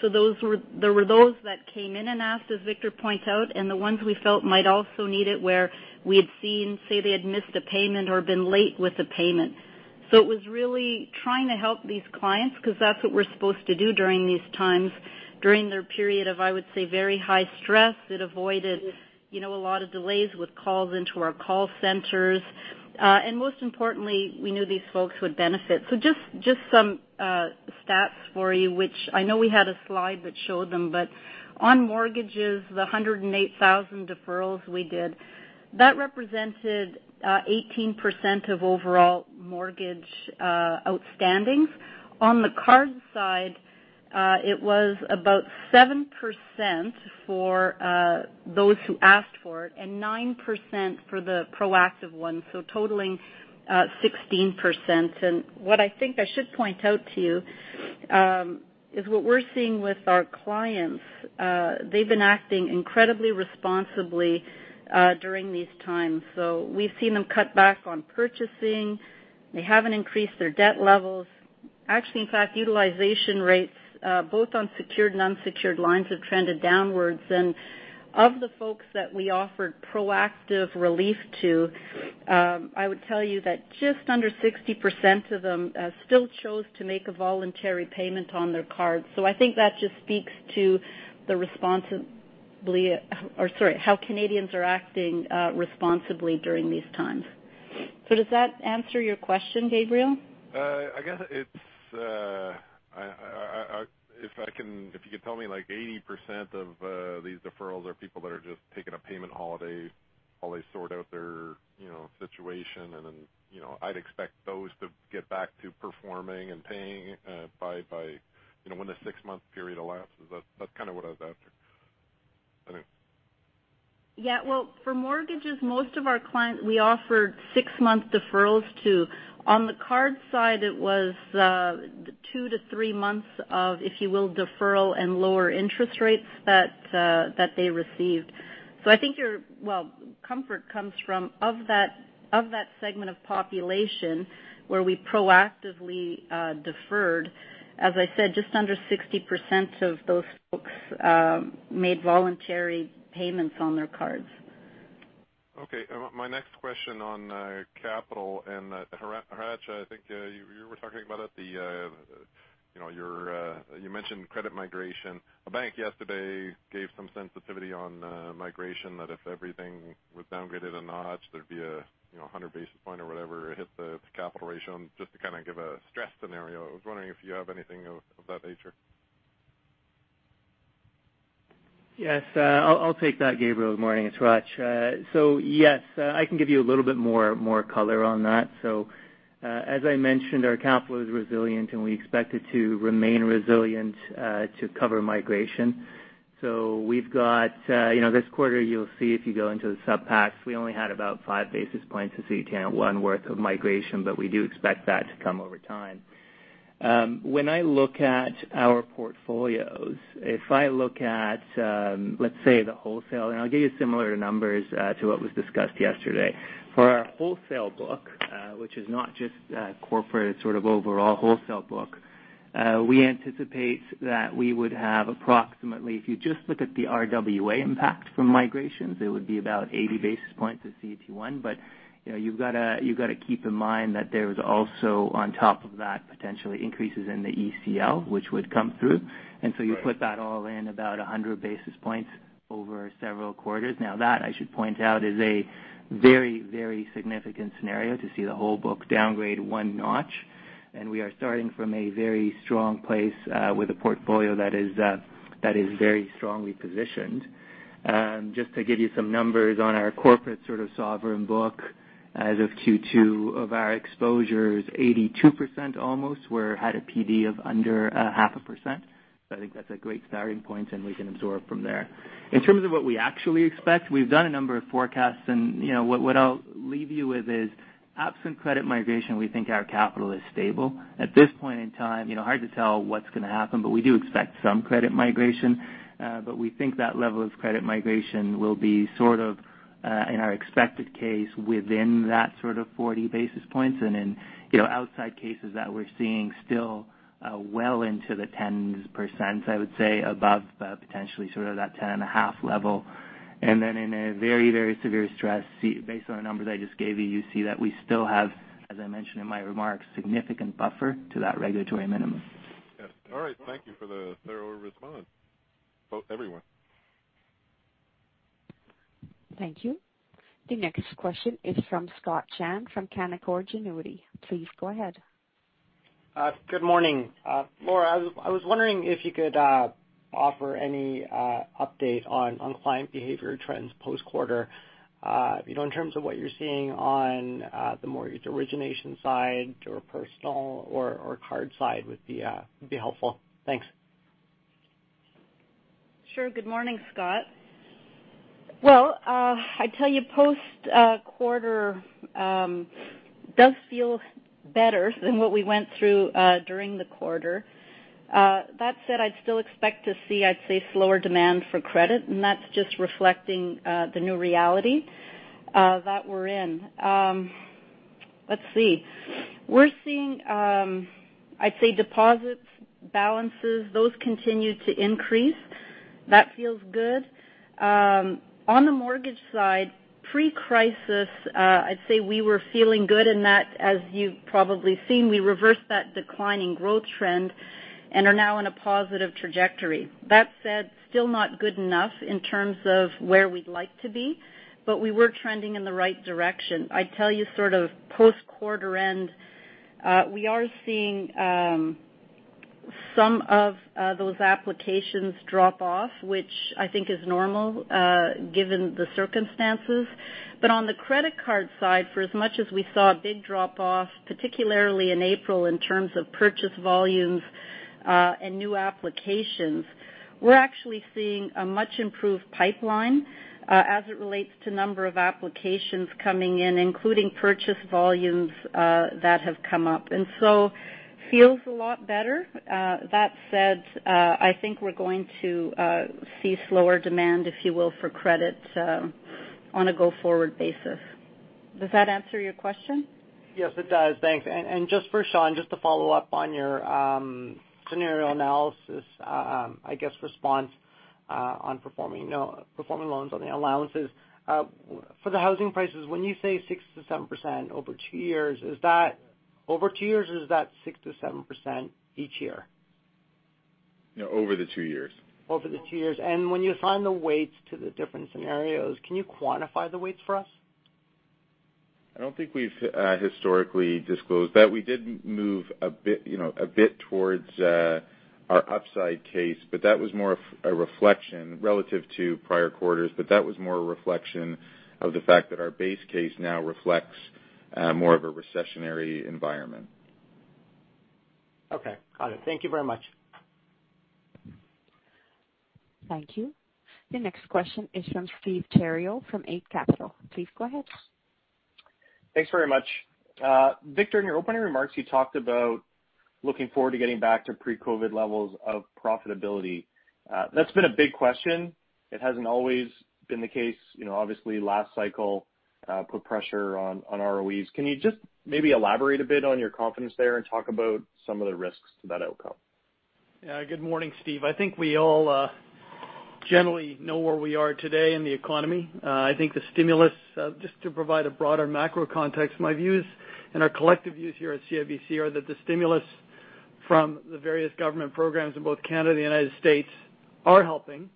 There were those that came in and asked, as Victor pointed out, and the ones we felt might also need it where we had seen, say, they had missed a payment or been late with a payment. It was really trying to help these clients because that's what we're supposed to do during these times. During their period of, I would say, very high stress, it avoided a lot of delays with calls into our call centers. Most importantly, we knew these folks would benefit. Just some stats for you, which I know we had a slide that showed them, but on mortgages, the 108,000 deferrals we did, that represented 18% of overall mortgage outstandings. On the card side, it was about 7% for those who asked for it and 9% for the proactive one, so totaling 16%. What I think I should point out to you is what we're seeing with our clients. They've been acting incredibly responsibly during these times. We've seen them cut back on purchasing. They haven't increased their debt levels. Actually, in fact, utilization rates, both on secured and unsecured lines, have trended downwards. Of the folks that we offered proactive relief to, I would tell you that just under 60% of them still chose to make a voluntary payment on their card. That just speaks to the responsibility or, sorry, how Canadians are acting responsibly during these times. Does that answer your question, Gabriel? If I can, if you could tell me like 80% of these deferrals are people that are just taking a payment holiday while they sort out their situation, and then I would expect those to get back to performing and paying by when the six-month period elapses. That is what I was after. Yeah. For mortgages, most of our clients, we offered six-month deferrals to. On the card side, it was two to three months of, if you will, deferral and lower interest rates that they received. Your, well, comfort comes from that segment of population where we proactively deferred. As I said, just under 60% of those folks made voluntary payments on their cards. Okay. My next question on capital and, Hratch, you were talking about it. You mentioned credit migration. A bank yesterday gave some sensitivity on migration, that if everything was downgraded a notch, there would be a 100 basis point or whatever hit the capital ratio, just to give a stress scenario. I was wondering if you have anything of that nature. Yes. I'll take that, Gabriel. Good morning. It's Hratch. Yes, I can give you a little bit more color on that. As I mentioned, our capital is resilient, and we expect it to remain resilient to cover migration. This quarter, you will see if you go into the subpacks, we only had about five basis points to 1801 worth of migration, but we do expect that to come over time. When I look at our portfolios, if I look at, let's say, the wholesale, and I'll give you similar numbers to what was discussed yesterday. For our wholesale book, which is not just corporate, it's overall wholesale book, we anticipate that we would have approximately, if you just look at the RWA impact from migrations, it would be about 80 basis points to CET1. You have to keep in mind that there is also, on top of that, potentially increases in the ECL, which would come through. You put that all in about 100 basis points over several quarters. Now, that, I should point out, is a very, very significant scenario to see the whole book downgrade one notch. We are starting from a very strong place with a portfolio that is very strongly positioned. Just to give you some numbers on our corporate sovereign book, as of Q2, of our exposures, 82% almost had a PD of under 0.5%. That is a great starting point, and we can absorb from there. In terms of what we actually expect, we have done a number of forecasts, and what I will leave you with is, absent credit migration, we think our capital is stable. At this point in time, hard to tell what is going to happen, but we do expect some credit migration. We think that level of credit migration will be, in our expected case, within that 40 basis points. In outside cases that we are seeing, still well into the 10%, I would say, above potentially that 10.5 level. In a very, very severe stress, based on the numbers I just gave you, you see that we still have, as I mentioned in my remarks, significant buffer to that regulatory minimum. All right. Thank you for the thorough response, everyone. Thank you. The next question is from Scott Chan from Canaccord Genuity. Please go ahead. Good morning. Laura, I was wondering if you could offer any update on client behavior trends post-quarter in terms of what you're seeing on the mortgage origination side or personal or card side would be helpful. Thanks. Sure. Good morning, Scott. I tell you, post-quarter does feel better than what we went through during the quarter. That said, I'd still expect to see, I'd say, slower demand for credit, and that's just reflecting the new reality that we're in. Let's see. We're seeing, I'd say, deposits, balances. Those continue to increase. That feels good. On the mortgage side, pre-crisis, I'd say we were feeling good in that, as you've probably seen, we reversed that declining growth trend and are now on a positive trajectory. That said, still not good enough in terms of where we'd like to be, but we were trending in the right direction. I tell you, post-quarter end, we are seeing some of those applications drop off, which is normal given the circumstances. On the credit card side, for as much as we saw a big drop off, particularly in April in terms of purchase volumes and new applications, we're actually seeing a much improved pipeline as it relates to number of applications coming in, including purchase volumes that have come up. Feels a lot better. That said, I think we're going to see slower demand, if you will, for credit on a go-forward basis. Does that answer your question? Yes, it does. Thanks. Just for Shawn, just to follow up on your scenario analysis, response on performing loans on the allowances. For the housing prices, when you say 6-7% over two years, is that over two years, or is that 6-7% each year? Over the two years. Over the two years. When you assign the weights to the different scenarios, can you quantify the weights for us? I do not think we've historically disclosed that. We did move a bit towards our upside case, but that was more a reflection relative to prior quarters. That was more a reflection of the fact that our base case now reflects more of a recessionary environment. Okay. Got it. Thank you very much. Thank you. The next question is from Steve Terrio from Ait Capital. Please go ahead. Thanks very much. Victor, in your opening remarks, you talked about looking forward to getting back to pre-COVID levels of profitability. That's been a big question. It hasn't always been the case. Obviously, last cycle put pressure on ROEs. Can you just maybe elaborate a bit on your confidence there and talk about some of the risks to that outcome? Yeah. Good morning, Steve. I think we all generally know where we are today in the economy. The stimulus, just to provide a broader macro context, my views and our collective views here at CIBC are that the stimulus from the various government programs in both Canada and the United States are helping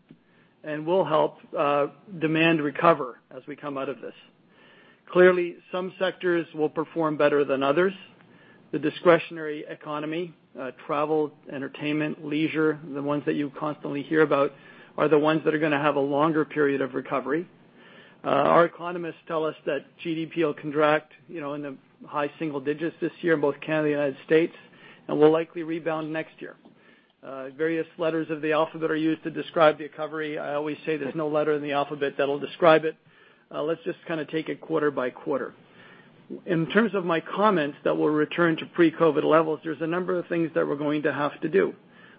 and will help demand recover as we come out of this. Clearly, some sectors will perform better than others. The discretionary economy, travel, entertainment, leisure, the ones that you constantly hear about are the ones that are going to have a longer period of recovery. Our economists tell us that GDP will contract in the high single digits this year in both Canada and the United States, and will likely rebound next year. Various letters of the alphabet are used to describe the recovery. I always say there is no letter in the alphabet that will describe it. Let's just take it quarter by quarter. In terms of my comments that will return to pre-COVID levels, there is a number of things that we are going to have to do.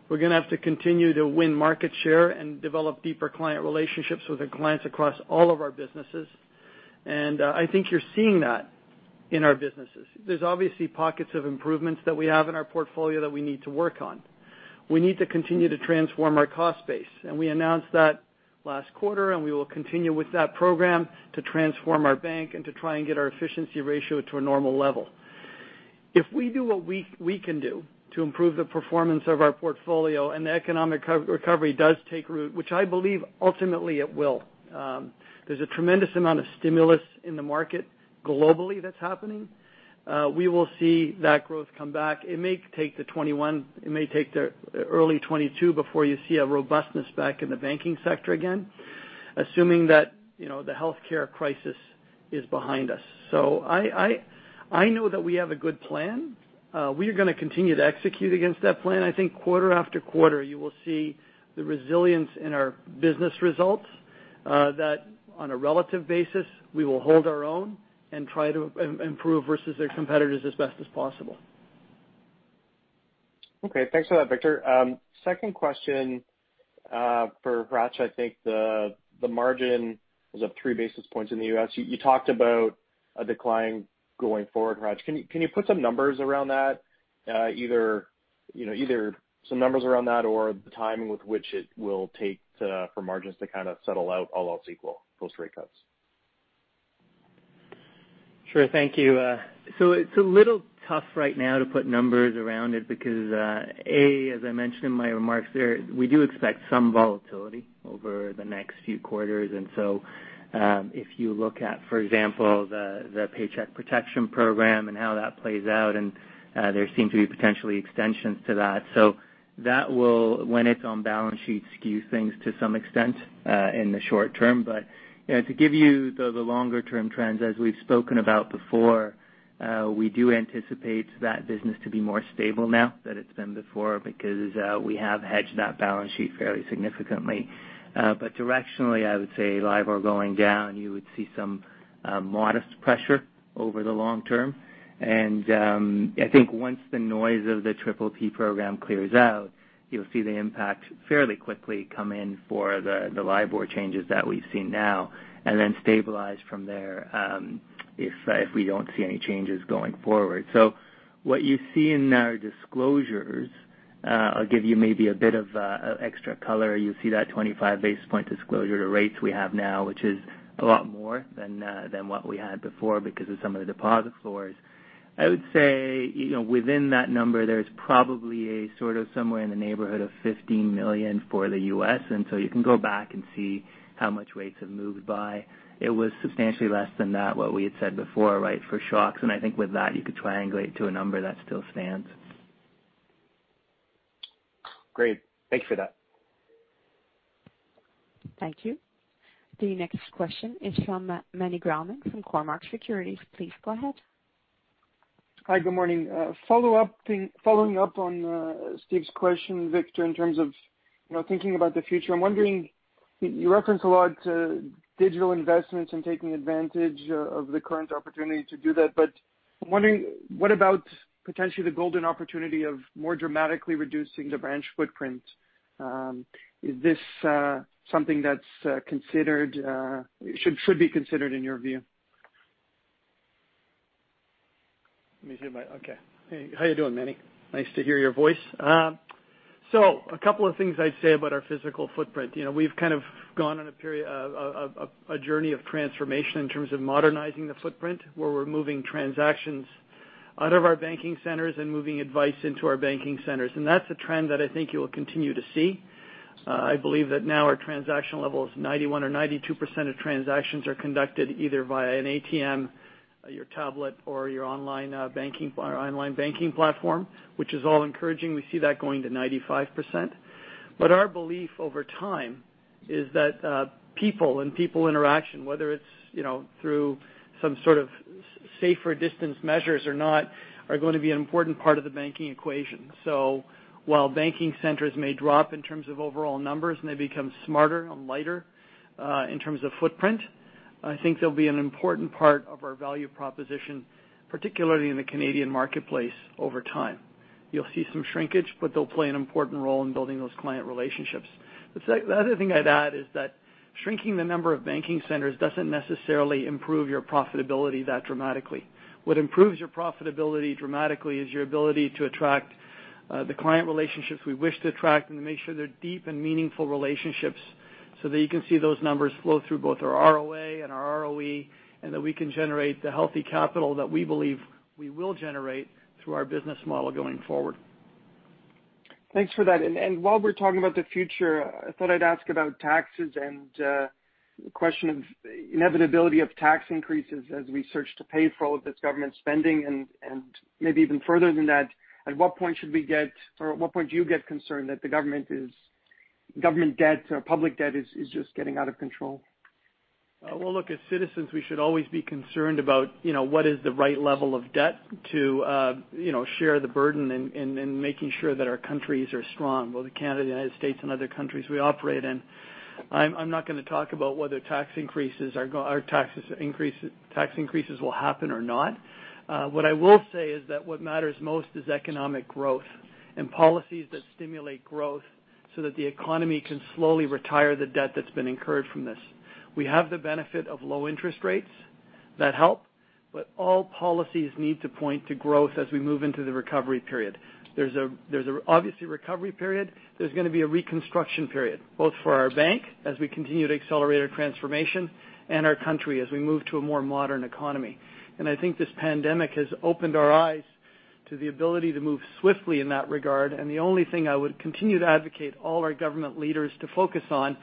We are going to have to continue to win market share and develop deeper client relationships with our clients across all of our businesses. You are seeing that in our businesses, these are obviously pockets of improvements that we have in our portfolio that we need to work on. We need to continue to transform our cost base. We announced that last quarter, and we will continue with that program to transform our bank and to try and get our efficiency ratio to a normal level. If we do what we can do to improve the performance of our portfolio and the economic recovery does take root, which I believe ultimately it will, there is a tremendous amount of stimulus in the market globally that is happening. We will see that growth come back. It may take 2021, it may take the early 2022 before you see a robustness back in the banking sector again, assuming that the healthcare crisis is behind us. I know that we have a good plan. We are going to continue to execute against that plan. Quarter after quarter, you will see the resilience in our business results that, on a relative basis, we will hold our own and try to improve versus their competitors as best as possible. Okay. Thanks for that, Victor. Second question for Hratch, the margin is up three basis points in the U.S. You talked about a decline going forward, Hratch. Can you put some numbers around that, either some numbers around that or the timing with which it will take for margins to settle out, all else equal, post-rate cuts? Sure. Thank you. It is a little tough right now to put numbers around it because, A, as I mentioned in my remarks there, we do expect some volatility over the next few quarters. If you look at, for example, the Paycheck Protection Program and how that plays out, and there seem to be potentially extensions to that. That will, when it is on balance sheets, skew things to some extent in the short term. To give you the longer-term trends, as we have spoken about before, we do anticipate that business to be more stable now than it has been before because we have hedged that balance sheet fairly significantly. Directionally, I would say, LIBOR going down, you would see some modest pressure over the long term. I think once the noise of the PPP program clears out, you will see the impact fairly quickly come in for the LIBOR changes that we have seen now and then stabilize from there if we do not see any changes going forward. What you see in our disclosures, I'll give you maybe a bit of extra color. You'll see that 25 basis point disclosure to rates we have now, which is a lot more than what we had before because of some of the deposit floors. I would say within that number, there's probably a somewhere in the neighborhood of $15 million for the U.S. You can go back and see how much rates have moved by. It was substantially less than that, what we had said before, right, for shocks. I think with that, you could triangulate to a number that still stands. Great. Thank you for that. Thank you. The next question is from Meny Grauman from Cormark Securities. Please go ahead. Hi. Good morning. Following up on Steve's question, Victor, in terms of thinking about the future, I'm wondering, you referenced a lot to digital investments and taking advantage of the current opportunity to do that. I'm wondering, what about potentially the golden opportunity of more dramatically reducing the branch footprint? Is this something that should be considered in your view? Hey. How you doing, Meny? Nice to hear your voice. A couple of things I'd say about our physical footprint. We've gone on a journey of transformation in terms of modernizing the footprint, where we're moving transactions out of our banking centers and moving advice into our banking centers. That's a trend that I think you'll continue to see. That now our transaction level is 91% or 92% of transactions are conducted either via an ATM, your tablet, or your online banking platform, which is all encouraging. We see that going to 95%. Our belief over time is that people and people interaction, whether it's through some safer distance measures or not, are going to be an important part of the banking equation. While banking centers may drop in terms of overall numbers and they become smarter and lighter in terms of footprint, they'll be an important part of our value proposition, particularly in the Canadian marketplace over time. You'll see some shrinkage, but they'll play an important role in building those client relationships. The other thing I'd add is that shrinking the number of banking centers doesn't necessarily improve your profitability that dramatically. What improves your profitability dramatically is your ability to attract the client relationships we wish to attract and to make sure they're deep and meaningful relationships so that you can see those numbers flow through both our ROA and our ROE, and that we can generate the healthy capital that we believe we will generate through our business model going forward. Thanks for that. While we're talking about the future, I thought I'd ask about taxes and the question of inevitability of tax increases as we search to pay for all of this government spending. Maybe even further than that, at what point should we get or at what point do you get concerned that the government debt or public debt is just getting out of control? As citizens, we should always be concerned about what is the right level of debt to share the burden in making sure that our countries are strong. The Canada, the United States, and other countries we operate in, I'm not going to talk about whether tax increases will happen or not. What I will say is that what matters most is economic growth and policies that stimulate growth so that the economy can slowly retire the debt that's been incurred from this. We have the benefit of low interest rates that help, but all policies need to point to growth as we move into the recovery period. There is obviously a recovery period. There is going to be a reconstruction period, both for our bank as we continue to accelerate our transformation and our country as we move to a more modern economy. This pandemic has opened our eyes to the ability to move swiftly in that regard. The only thing I would continue to advocate all our government leaders to focus on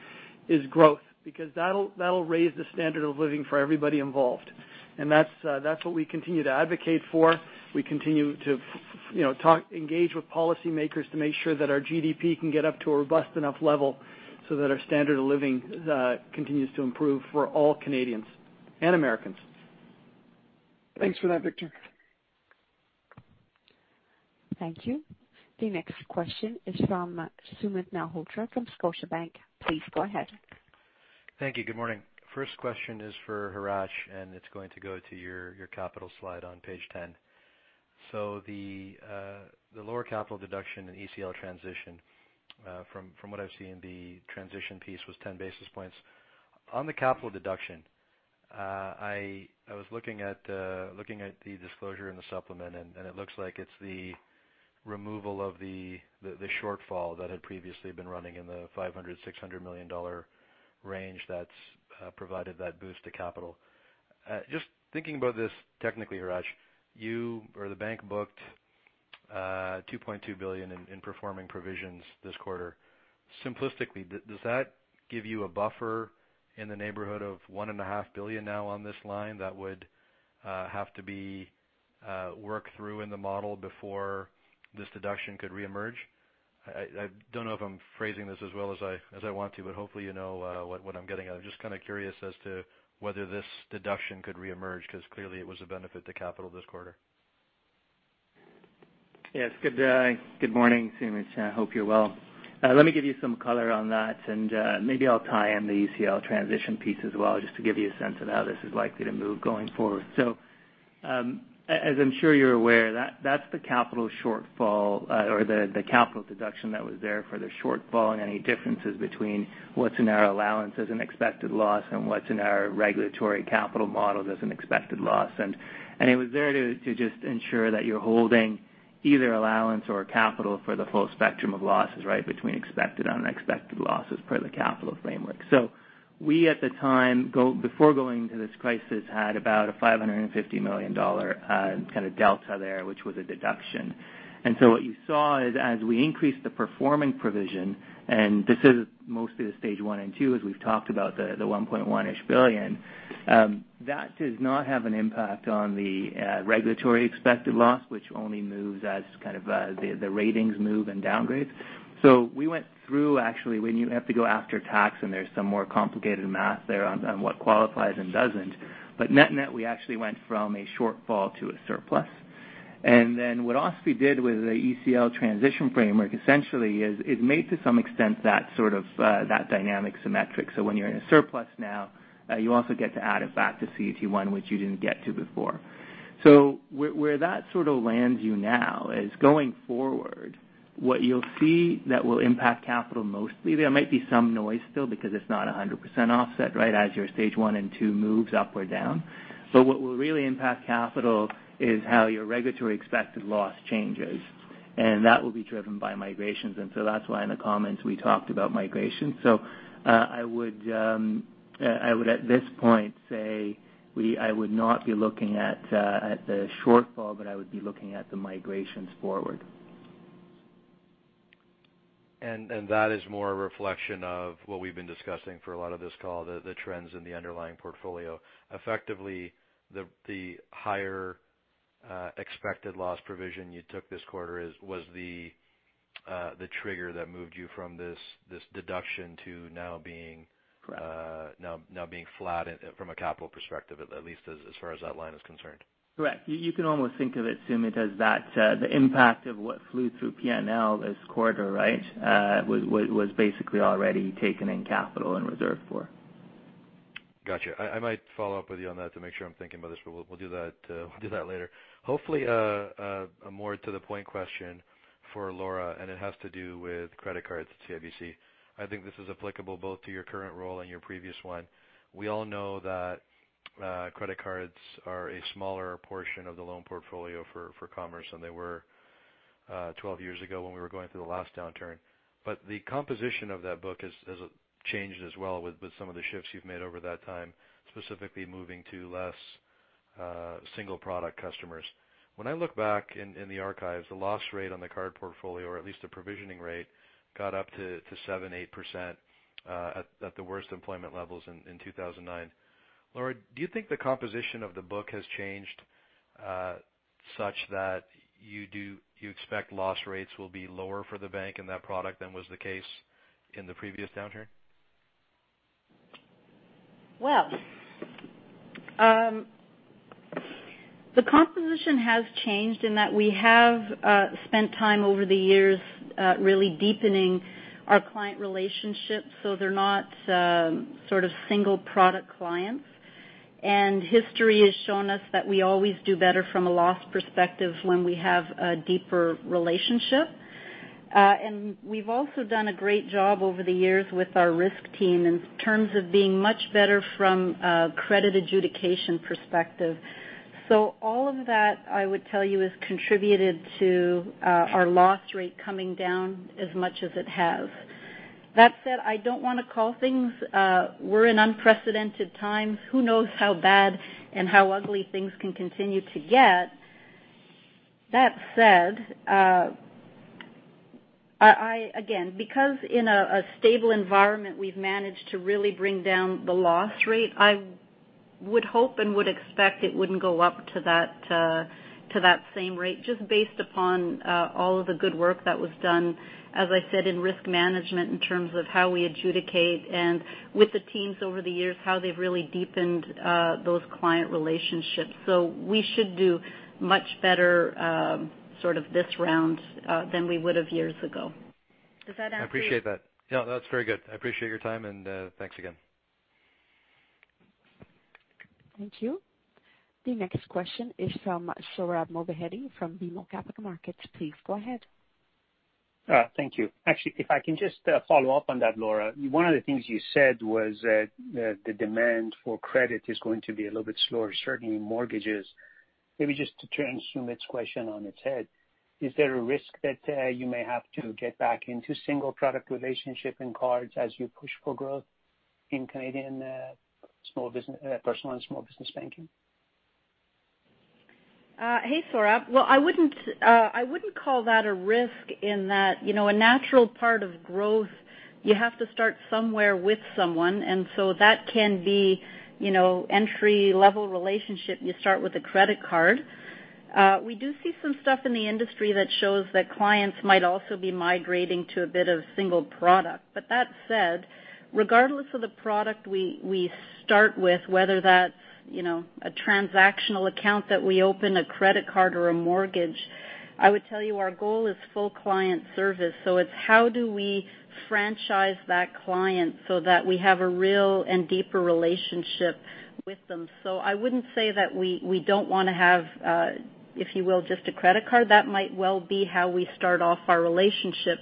is growth because that will raise the standard of living for everybody involved. That is what we continue to advocate for. We continue to engage with policymakers to make sure that our GDP can get up to a robust enough level so that our standard of living continues to improve for all Canadians and Americans. Thanks for that, Victor. Thank you. The next question is from Sumit Nahotra from Scotiabank. Please go ahead. Thank you. Good morning. First question is for Hratch, and it is going to go to your capital slide on page 10. The lower capital deduction and ECL transition, from what I have seen, the transition piece was 10 basis points. On the capital deduction, I was looking at the disclosure and the supplement, and it looks like it's the removal of the shortfall that had previously been running in the $500 million-$600 million range that's provided that boost to capital. Just thinking about this technically, Hratch, you or the bank booked $2.2 billion in performing provisions this quarter. Simplistically, does that give you a buffer in the neighborhood of $1.5 billion now on this line that would have to be worked through in the model before this deduction could reemerge? I don't know if I'm phrasing this as well as I want to, but hopefully you know what I'm getting at. I'm just curious as to whether this deduction could reemerge because clearly it was a benefit to capital this quarter. Yes. Good morning, Sumit. I hope you're well. Let me give you some color on that, and maybe I'll tie in the ECL transition piece as well just to give you a sense of how this is likely to move going forward. As I'm sure you're aware, that's the capital shortfall or the capital deduction that was there for the shortfall and any differences between what's in our allowance as an expected loss and what's in our regulatory capital model as an expected loss. It was there to just ensure that you're holding either allowance or capital for the full spectrum of losses, right, between expected and unexpected losses per the capital framework. We, at the time, before going into this crisis, had about a $550 million delta there, which was a deduction. What you saw is, as we increased the performing provision, and this is mostly the stage one and two, as we've talked about, the $1.1 billion, that does not have an impact on the regulatory expected loss, which only moves as the ratings move and downgrades. We went through, actually, when you have to go after tax, and there's some more complicated math there on what qualifies and doesn't. Net-net, we actually went from a shortfall to a surplus. What OSFI did with the ECL transition framework, essentially, is made to some extent that dynamic symmetric. When you're in a surplus now, you also get to add it back to CET1, which you didn't get to before. Where that lands you now is, going forward, what you'll see that will impact capital mostly, there might be some noise still because it's not 100% offset, right, as your stage one and two moves up or down. What will really impact capital is how your regulatory expected loss changes. That will be driven by migrations. That is why in the comments we talked about migration. I would, at this point, say I would not be looking at the shortfall, but I would be looking at the migrations forward. That is more a reflection of what we've been discussing for a lot of this call, the trends in the underlying portfolio. Effectively, the higher expected loss provision you took this quarter was the trigger that moved you from this deduction to now being flat from a capital perspective, at least as far as that line is concerned. Correct. You can almost think of it, Sumit, as the impact of what flew through P&L this quarter, right, was basically already taken in capital and reserved for. Gotcha. I might follow up with you on that to make sure I'm thinking about this, but we'll do that later. Hopefully, a more to the point question for Laura, and it has to do with credit cards, CIBC. This is applicable both to your current role and your previous one. We all know that credit cards are a smaller portion of the loan portfolio for commerce, and they were 12 years ago when we were going through the last downturn. The composition of that book has changed as well with some of the shifts you've made over that time, specifically moving to less single-product customers. When I look back in the archives, the loss rate on the card portfolio, or at least the provisioning rate, got up to 7-8% at the worst employment levels in 2009. Laura, do you think the composition of the book has changed such that you expect loss rates will be lower for the bank in that product than was the case in the previous downturn? The composition has changed in that we have spent time over the years really deepening our client relationships so they're not single-product clients. History has shown us that we always do better from a loss perspective when we have a deeper relationship. We've also done a great job over the years with our risk team in terms of being much better from a credit adjudication perspective. All of that, I would tell you, has contributed to our loss rate coming down as much as it has. That said, I don't want to call things. We're in unprecedented times. Who knows how bad and how ugly things can continue to get? That said, again, because in a stable environment, we've managed to really bring down the loss rate, I would hope and would expect it wouldn't go up to that same rate just based upon all of the good work that was done, as I said, in risk management in terms of how we adjudicate and with the teams over the years, how they've really deepened those client relationships. We should do much better this round than we would have years ago. Does that answer your question? Yeah. That is very good. I appreciate your time, and thanks again. Thank you. The next question is from Sohrab Movahedi from BMO Capital Markets. Please go ahead. Thank you. Actually, if I can just follow up on that, Laura. One of the things you said was that the demand for credit is going to be a little bit slower, certainly in mortgages. Maybe just to turn Sumit's question on its head, is there a risk that you may have to get back into single-product relationship in cards as you push for growth in Canadian personal and small business banking? Hey, Sohrab. I would not call that a risk in that a natural part of growth, you have to start somewhere with someone. That can be entry-level relationship. You start with a credit card. We do see some stuff in the industry that shows that clients might also be migrating to a bit of single product. That said, regardless of the product we start with, whether that's a transactional account that we open, a credit card, or a mortgage, I would tell you our goal is full client service. It is how do we franchise that client so that we have a real and deeper relationship with them. I would not say that we do not want to have, if you will, just a credit card. That might well be how we start off our relationship.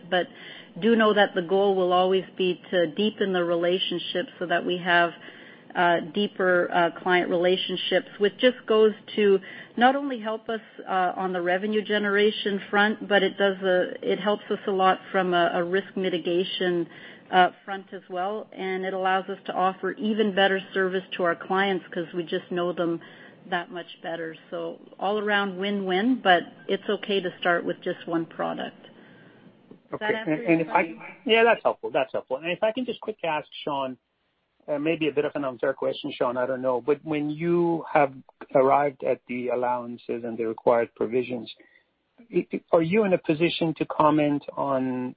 Do know that the goal will always be to deepen the relationship so that we have deeper client relationships, which just goes to not only help us on the revenue generation front, but it helps us a lot from a risk mitigation front as well. It allows us to offer even better service to our clients because we just know them that much better. All around, win-win, but it's okay to start with just one product. That answers your question? Yeah. That's helpful. If I can just quickly ask Shawn, maybe a bit of an unfair question, Shawn, I don't know. When you have arrived at the allowances and the required provisions, are you in a position to comment on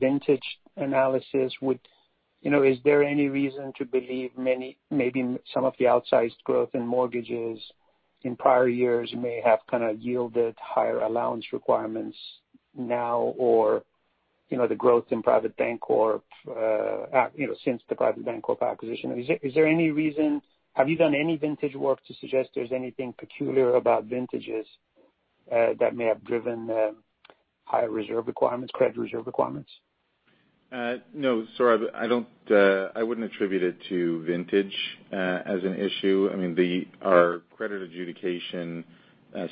vintage analysis? Is there any reason to believe maybe some of the outsized growth in mortgages in prior years may have yielded higher allowance requirements now or the growth in private bank corp. since the private bank corp. acquisition? Is there any reason? Have you done any vintage work to suggest there's anything peculiar about vintages that may have driven higher reserve requirements, credit reserve requirements? No. Sohrab, I wouldn't attribute it to vintage as an issue. Our credit adjudication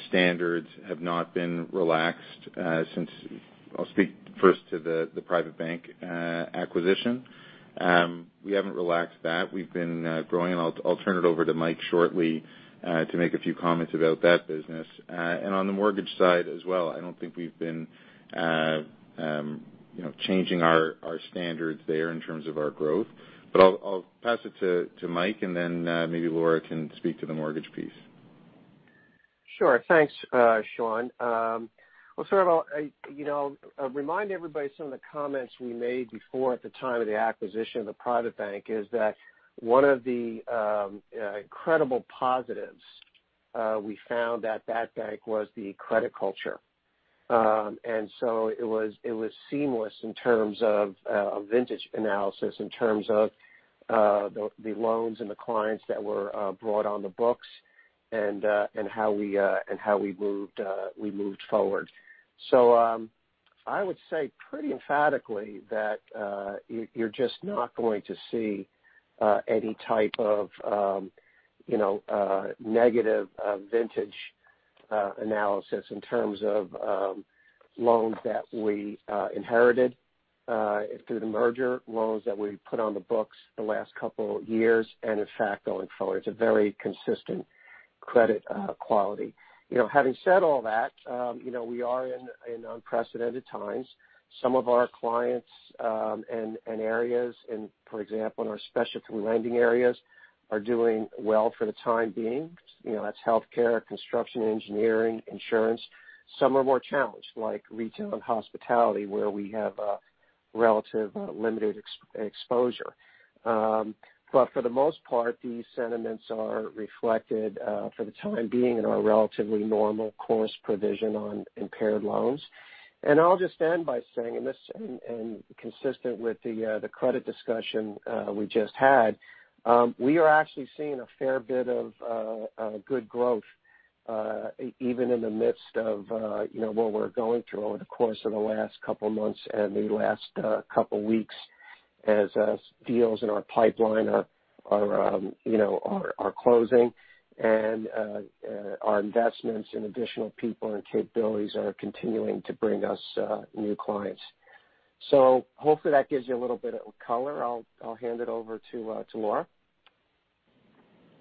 standards have not been relaxed since I'll speak first to the private bank acquisition. We haven't relaxed that. We've been growing, and I'll turn it over to Mike shortly to make a few comments about that business. On the mortgage side as well, I don't think we've been changing our standards there in terms of our growth. I'll pass it to Mike, and then maybe Laura can speak to the mortgage piece. Sure. Thanks, Shawn. Sohrab, I'll remind everybody some of the comments we made before at the time of the acquisition of the private bank is that one of the incredible positives we found at that bank was the credit culture. It was seamless in terms of vintage analysis, in terms of the loans and the clients that were brought on the books, and how we moved forward. I would say pretty emphatically that you're just not going to see any type of negative vintage analysis in terms of loans that we inherited through the merger, loans that we put on the books the last couple of years, and in fact, going forward, it's a very consistent credit quality. Having said all that, we are in unprecedented times. Some of our clients and areas, for example, in our specialty lending areas, are doing well for the time being. That is healthcare, construction, engineering, insurance. Some are more challenged, like retail and hospitality, where we have a relatively limited exposure. For the most part, these sentiments are reflected for the time being in our relatively normal course provision on impaired loans. I will just end by saying, and consistent with the credit discussion we just had, we are actually seeing a fair bit of good growth even in the midst of what we are going through over the course of the last couple of months and the last couple of weeks as deals in our pipeline are closing. Our investments in additional people and capabilities are continuing to bring us new clients. Hopefully, that gives you a little bit of color. I will hand it over to Laura.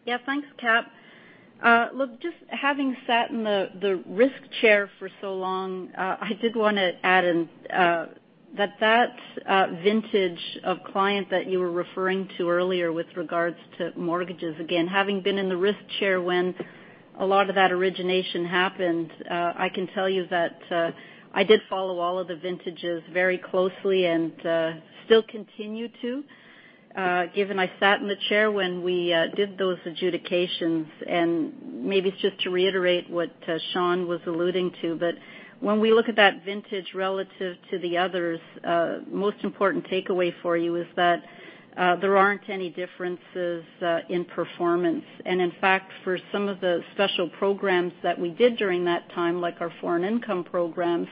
Yeah. Thanks, Cap. Look, just having sat in the risk chair for so long, I did want to add in that vintage of client that you were referring to earlier with regards to mortgages, again, having been in the risk chair when a lot of that origination happened, I can tell you that I did follow all of the vintages very closely and still continue to, given I sat in the chair when we did those adjudications. Maybe it is just to reiterate what Shawn was alluding to. When we look at that vintage relative to the others, the most important takeaway for you is that there are not any differences in performance. In fact, for some of the special programs that we did during that time, like our foreign income programs,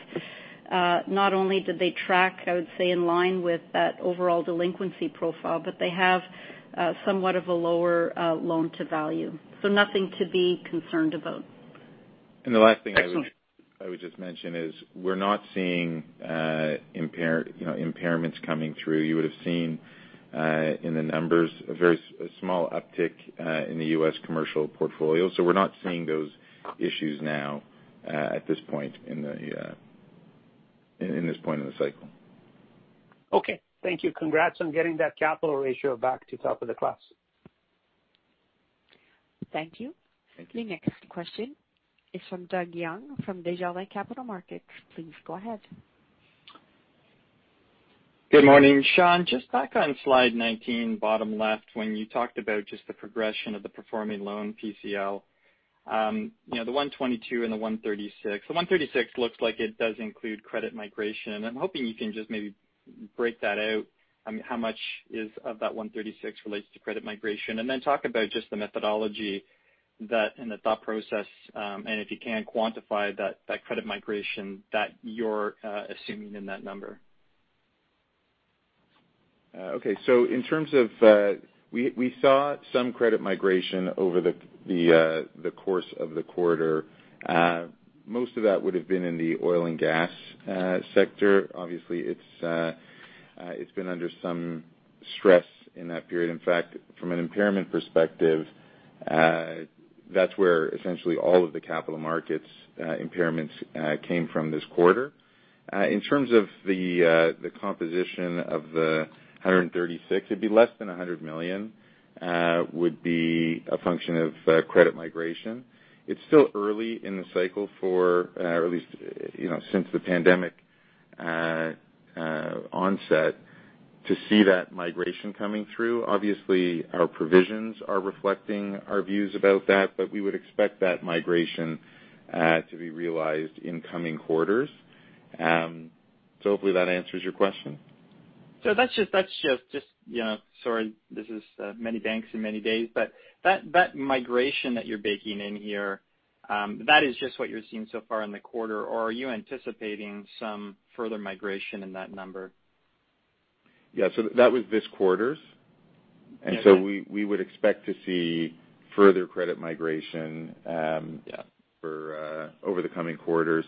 not only did they track, I would say, in line with that overall delinquency profile, but they have somewhat of a lower loan-to-value. Nothing to be concerned about. The last thing I would just mention is we're not seeing impairments coming through. You would have seen in the numbers a very small uptick in the U.S. commercial portfolio. We're not seeing those issues now at this point in the cycle. Thank you. Congrats on getting that capital ratio back to top of the class. Thank you. The next question is from Doug Young from Desjardins Capital Markets. Please go ahead. Good morning. Shawn, just back on slide 19, bottom left, when you talked about just the progression of the performing loan PCL, the 122 and the 136. The 136 looks like it does include credit migration. I'm hoping you can just maybe break that out, how much of that 136 relates to credit migration, and then talk about just the methodology and the thought process, and if you can, quantify that credit migration that you're assuming in that number. Okay. In terms of we saw some credit migration over the course of the quarter. Most of that would have been in the oil and gas sector. Obviously, it's been under some stress in that period. In fact, from an impairment perspective, that's where essentially all of the capital markets' impairments came from this quarter. In terms of the composition of the 136, it'd be less than $100 million would be a function of credit migration. It's still early in the cycle for, at least since the pandemic onset, to see that migration coming through. Obviously, our provisions are reflecting our views about that, but we would expect that migration to be realized in coming quarters. Hopefully, that answers your question. That's just—sorry, this is many banks in many days. That migration that you're baking in here, that is just what you're seeing so far in the quarter, or are you anticipating some further migration in that number? Yeah. That was this quarter's. We would expect to see further credit migration over the coming quarters,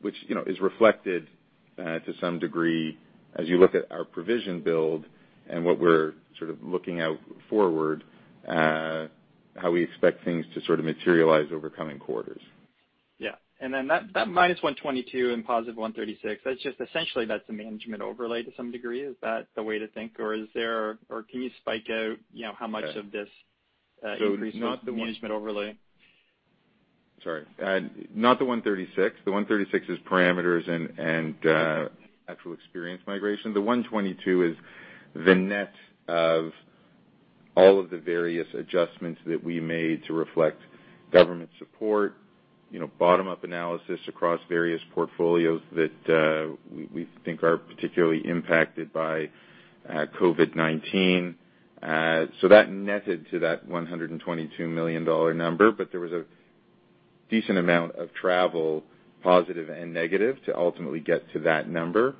which is reflected to some degree as you look at our provision build and what we are looking out forward, how we expect things to materialize over coming quarters. Yeah. That minus 122 and positive 136, that is just essentially a management overlay to some degree. Is that the way to think, or can you spike out how much of this increase was the management overlay? Sorry. Not the 136. The 136 is parameters and actual experience migration. The 122 is the net of all of the various adjustments that we made to reflect government support, bottom-up analysis across various portfolios that we think are particularly impacted by COVID-19. That netted to that 122 million dollar number. There was a decent amount of travel, positive and negative, to ultimately get to that number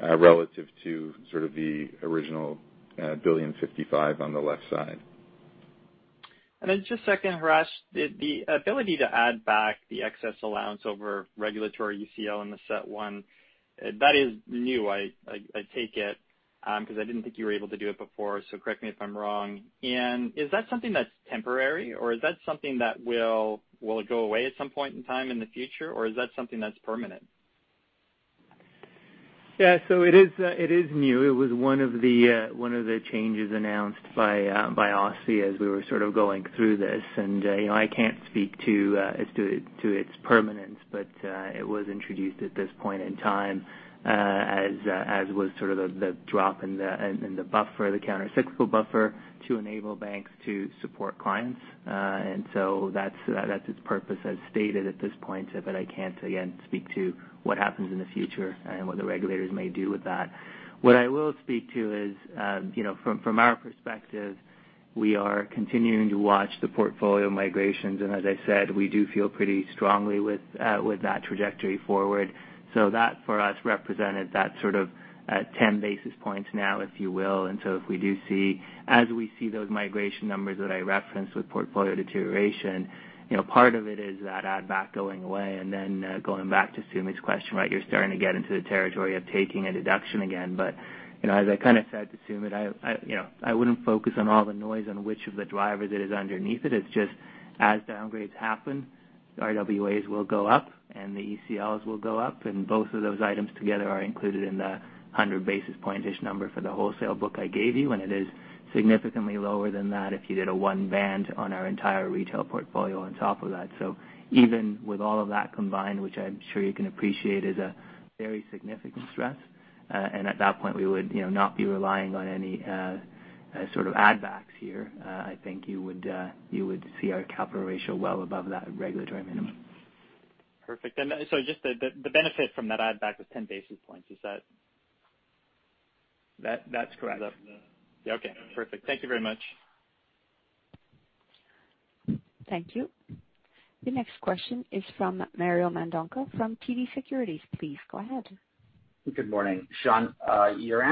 relative to the original billion fifty-five on the left side. Just a second, Hratch, the ability to add back the excess allowance over regulatory ECL in the set one, that is new, I take it, because I did not think you were able to do it before. Correct me if I am wrong. Is that something that is temporary, or is that something that will go away at some point in time in the future, or is that something that is permanent? Yeah. It is new. It was one of the changes announced by OSI as we were going through this. I cannot speak to its permanence, but it was introduced at this point in time, as was the drop in the countercyclical buffer to enable banks to support clients. That is its purpose as stated at this point. I cannot, again, speak to what happens in the future and what the regulators may do with that. What I will speak to is, from our perspective, we are continuing to watch the portfolio migrations. As I said, we do feel pretty strongly with that trajectory forward. That, for us, represented that 10 basis points now, if you will. If we do see, as we see those migration numbers that I referenced with portfolio deterioration, part of it is that add-back going away. Then going back to Sumit's question, right, you're starting to get into the territory of taking a deduction again. As I said to Sumit, I wouldn't focus on all the noise on which of the drivers it is underneath it. It's just as downgrades happen, RWAs will go up, and the ECLs will go up. Both of those items together are included in the 100 basis point-ish number for the wholesale book I gave you. It is significantly lower than that if you did a one-band on our entire retail portfolio on top of that. Even with all of that combined, which I'm sure you can appreciate, is a very significant stress. At that point, we would not be relying on any add-backs here. I think you would see our capital ratio well above that regulatory minimum. Perfect. Just the benefit from that add-back was 10 basis points. Is that? That's correct. Okay. Perfect. Thank you very much. Thank you. The next question is from Mario Mendonca from TD Securities. Please go ahead. Good morning. Shawn, your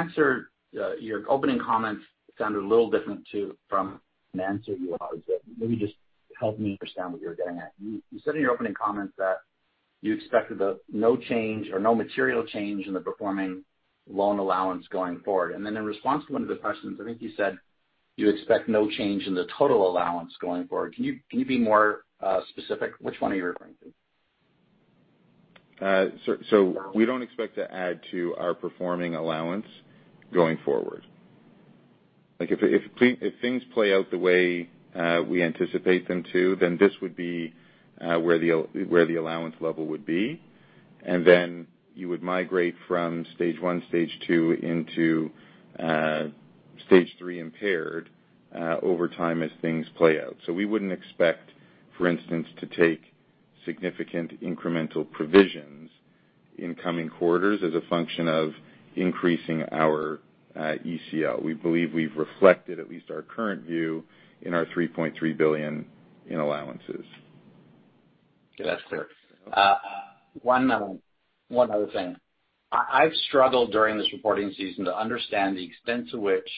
opening comments sounded a little different from the answer you offered. Maybe just help me understand what you were getting at. You said in your opening comments that you expected no change or no material change in the performing loan allowance going forward. In response to one of the questions, I think you said you expect no change in the total allowance going forward. Can you be more specific? Which one are you referring to? We do not expect to add to our performing allowance going forward. If things play out the way we anticipate them to, then this would be where the allowance level would be. You would migrate from stage one, stage two into stage three impaired over time as things play out. We would not expect, for instance, to take significant incremental provisions in coming quarters as a function of increasing our ECL. We believe we have reflected at least our current view in our 3.3 billion in allowances. That is clear. One other thing. I have struggled during this reporting season to understand the extent to which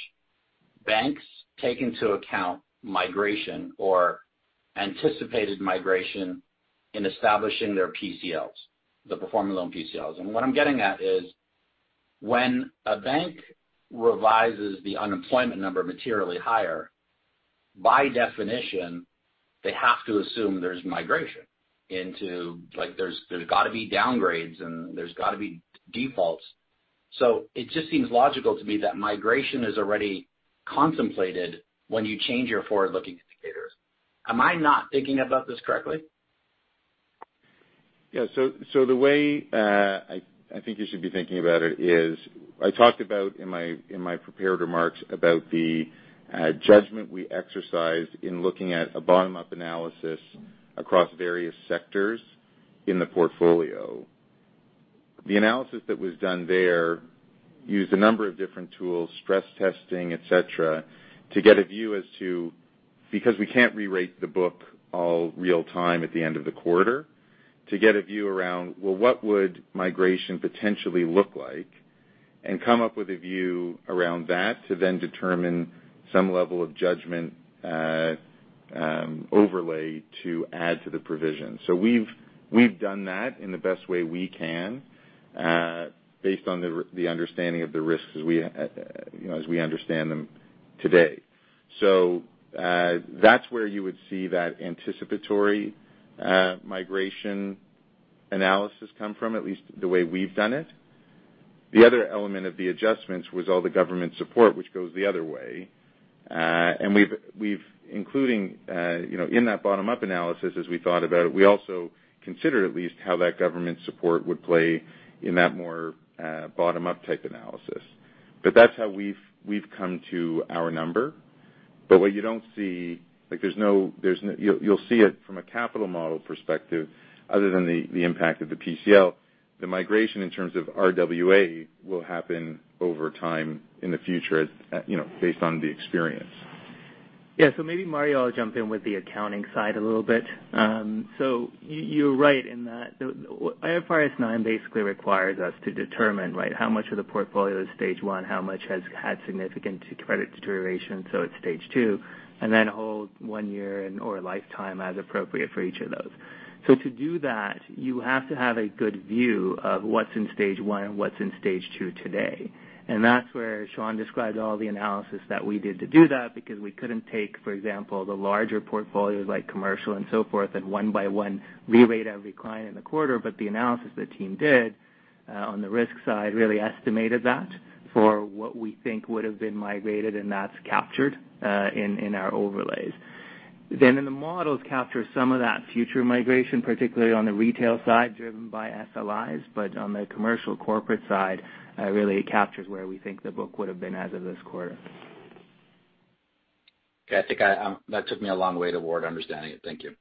banks take into account migration or anticipated migration in establishing their PCLs, the performing loan PCLs. What I am getting at is when a bank revises the unemployment number materially higher, by definition, they have to assume there is migration into there has got to be downgrades, and there has got to be defaults. It just seems logical to me that migration is already contemplated when you change your forward-looking indicators. Am I not thinking about this correctly? Yeah. The way I think you should be thinking about it is I talked about in my prepared remarks about the judgment we exercised in looking at a bottom-up analysis across various sectors in the portfolio. The analysis that was done there used a number of different tools, stress testing, etc., to get a view as to because we can't re-rate the book all real-time at the end of the quarter, to get a view around, like, what would migration potentially look like, and come up with a view around that to then determine some level of judgment overlay to add to the provision. We have done that in the best way we can based on the understanding of the risks as we understand them today. That is where you would see that anticipatory migration analysis come from, at least the way we have done it. The other element of the adjustments was all the government support, which goes the other way. Including in that bottom-up analysis, as we thought about it, we also considered at least how that government support would play in that more bottom-up type analysis. That is how we have come to our number. What you do not see, you will not see it from a capital model perspective other than the impact of the PCL. The migration in terms of RWA will happen over time in the future based on the experience. Yeah. Maybe Mario will jump in with the accounting side a little bit. You're right in that IFRS 9 basically requires us to determine, right, how much of the portfolio is stage one, how much has had significant credit deterioration, so it's stage two, and then hold one year or a lifetime as appropriate for each of those. To do that, you have to have a good view of what's in stage one and what's in stage two today. That's where Shawn described all the analysis that we did to do that because we couldn't take, for example, the larger portfolios like commercial and so forth and one by one re-rate every client in the quarter. The analysis the team did on the risk side really estimated that for what we think would have been migrated, and that's captured in our overlays. In the models capture some of that future migration, particularly on the retail side driven by SLIs. On the commercial corporate side, it really captures where we think the book would have been as of this quarter. Okay. I think that took me a long way toward understanding it. Thank you.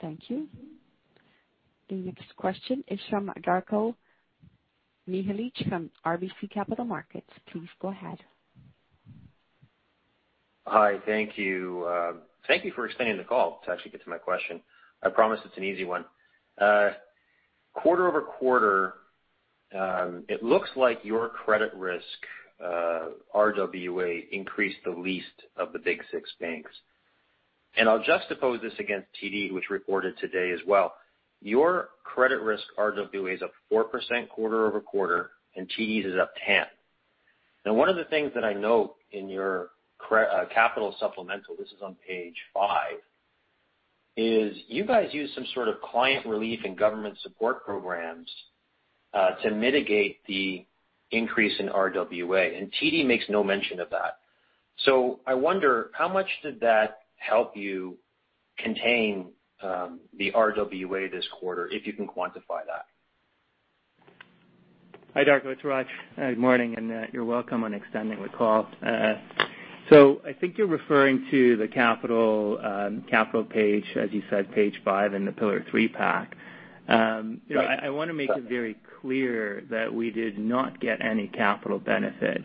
Thank you. The next question is from Darko Mihelic from RBC Capital Markets. Please go ahead. Hi. Thank you. Thank you for extending the call to actually get to my question. I promise it's an easy one. Quarter-over-quarter, it looks like your credit risk RWA increased the least of the big six banks. I'll juxtapose this against TD, which reported today as well. Your credit risk RWA is up 4% quarter over quarter, and TD's is up 10%. Now, one of the things that I note in your capital supplemental—this is on page five—is you guys use some client relief and government support programs to mitigate the increase in RWA. TD makes no mention of that. I wonder, how much did that help you contain the RWA this quarter if you can quantify that? Hi, Darko. It's Hratch. Good morning. You're welcome on extending the call. I think you're referring to the capital page, as you said, page five in the Pillar Three pack. I want to make it very clear that we did not get any capital benefit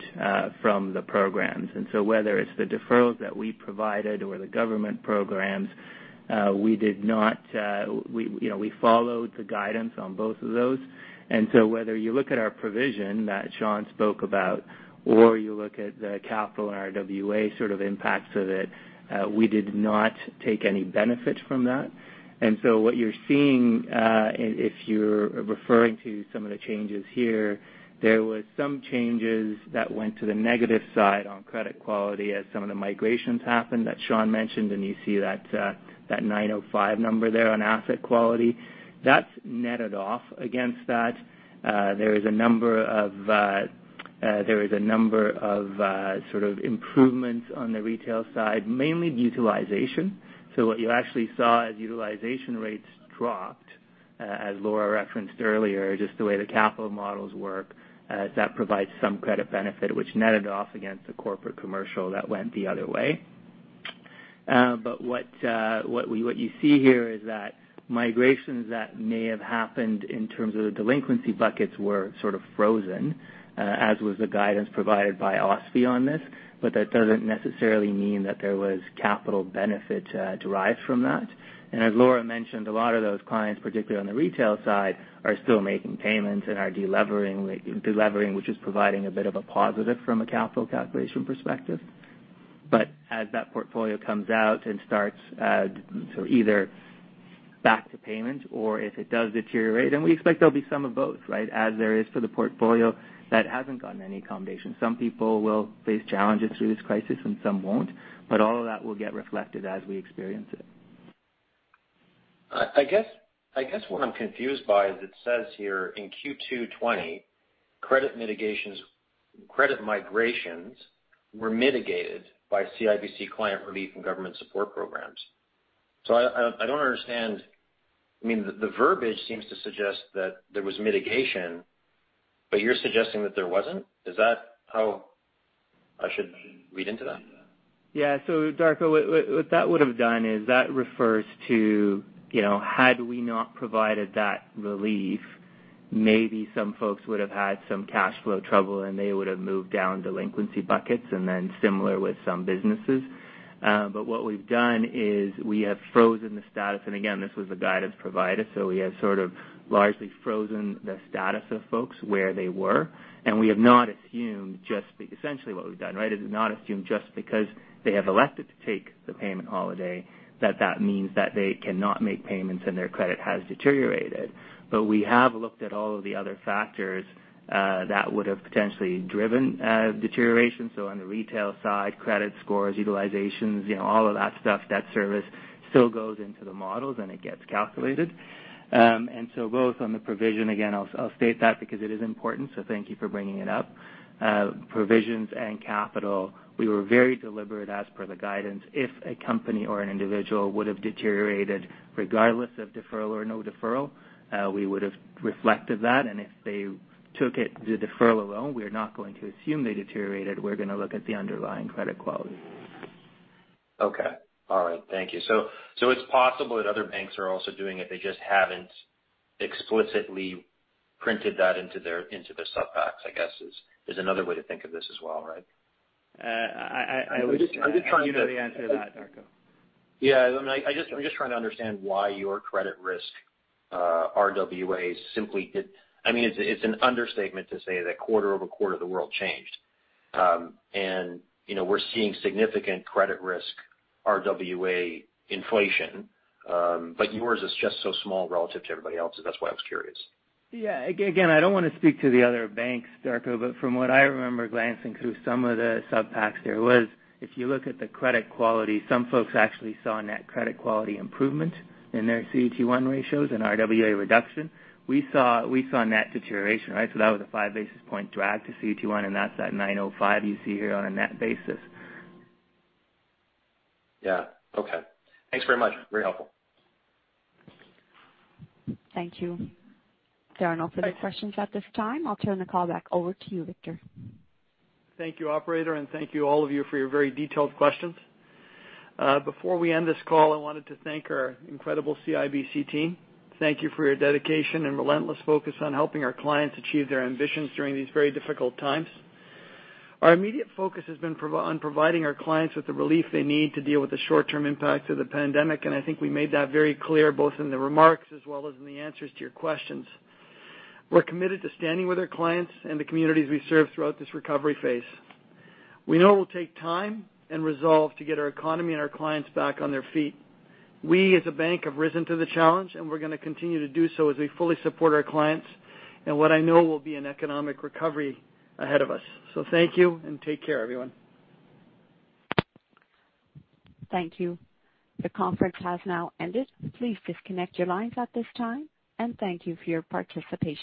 from the programs. Whether it's the deferrals that we provided or the government programs, we did not—we followed the guidance on both of those. Whether you look at our provision that Shawn spoke about or you look at the capital and RWA impacts of it, we did not take any benefit from that. What you are seeing, if you are referring to some of the changes here, there were some changes that went to the negative side on credit quality as some of the migrations happened that Shawn mentioned. You see that 905 number there on asset quality. That is netted off against that. There is a number of improvements on the retail side, mainly utilization. What you actually saw is utilization rates dropped, as Laura referenced earlier, just the way the capital models work, as that provides some credit benefit, which netted off against the corporate commercial that went the other way. What you see here is that migrations that may have happened in terms of the delinquency buckets were frozen, as was the guidance provided by OSFI on this. That does not necessarily mean that there was capital benefit derived from that. As Laura mentioned, a lot of those clients, particularly on the retail side, are still making payments and are delevering, which is providing a bit of a positive from a capital calculation perspective. As that portfolio comes out and starts either back to payments or if it does deteriorate—we expect there will be some of both, as there is for the portfolio that has not gotten any accommodation—some people will face challenges through this crisis and some will not. All of that will get reflected as we experience it. What I'm confused by is it says here in Q2 2020, credit migrations were mitigated by CIBC client relief and government support programs. I don't understand. The verbiage seems to suggest that there was mitigation, but you're suggesting that there wasn't. Is that how I should read into that? Yeah. Darko, what that would have done is that refers to had we not provided that relief, maybe some folks would have had some cash flow trouble, and they would have moved down delinquency buckets and then similar with some businesses. What we've done is we have frozen the status. Again, this was the guidance provided. We have largely frozen the status of folks where they were. We have not assumed just essentially what we've done, right, is not assumed just because they have elected to take the payment holiday that that means that they cannot make payments and their credit has deteriorated. We have looked at all of the other factors that would have potentially driven deterioration. On the retail side, credit scores, utilizations, all of that stuff, that service still goes into the models and it gets calculated. Both on the provision—again, I'll state that because it is important, so thank you for bringing it up—provisions and capital, we were very deliberate as per the guidance. If a company or an individual would have deteriorated regardless of deferral or no deferral, we would have reflected that. If they took the deferral alone, we're not going to assume they deteriorated. We're going to look at the underlying credit quality. All right. Thank you. It's possible that other banks are also doing it. They just haven't explicitly printed that into their subpacks, is another way to think of this as well, right? I was trying to—I'm just trying to answer that, Darko. Yeah. I'm just trying to understand why your credit risk RWA simply did, it's an understatement to say that quarter over quarter the world changed. We're seeing significant credit risk RWA inflation. Yours is just so small relative to everybody else. That's why I was curious. Yeah. Again, I don't want to speak to the other banks, Darko, but from what I remember glancing through some of the subpacks, there was, if you look at the credit quality, some folks actually saw net credit quality improvement in their CET1 ratios and RWA reduction. We saw net deterioration, right? That was a five-basis point drag to CET1, and that is that 905 you see here on a net basis. Yeah. Okay. Thanks very much. Very helpful. Thank you, Darko, for the questions at this time. I'll turn the call back over to you, Victor. Thank you, operator, and thank you all of you for your very detailed questions. Before we end this call, I wanted to thank our incredible CIBC team. Thank you for your dedication and relentless focus on helping our clients achieve their ambitions during these very difficult times. Our immediate focus has been on providing our clients with the relief they need to deal with the short-term impacts of the pandemic. We made that very clear both in the remarks as well as in the answers to your questions. We're committed to standing with our clients and the communities we serve throughout this recovery phase. We know it will take time and resolve to get our economy and our clients back on their feet. We, as a bank, have risen to the challenge, and we're going to continue to do so as we fully support our clients and what I know will be an economic recovery ahead of us. Thank you and take care, everyone. Thank you. The conference has now ended. Please disconnect your lines at this time. Thank you for your participation.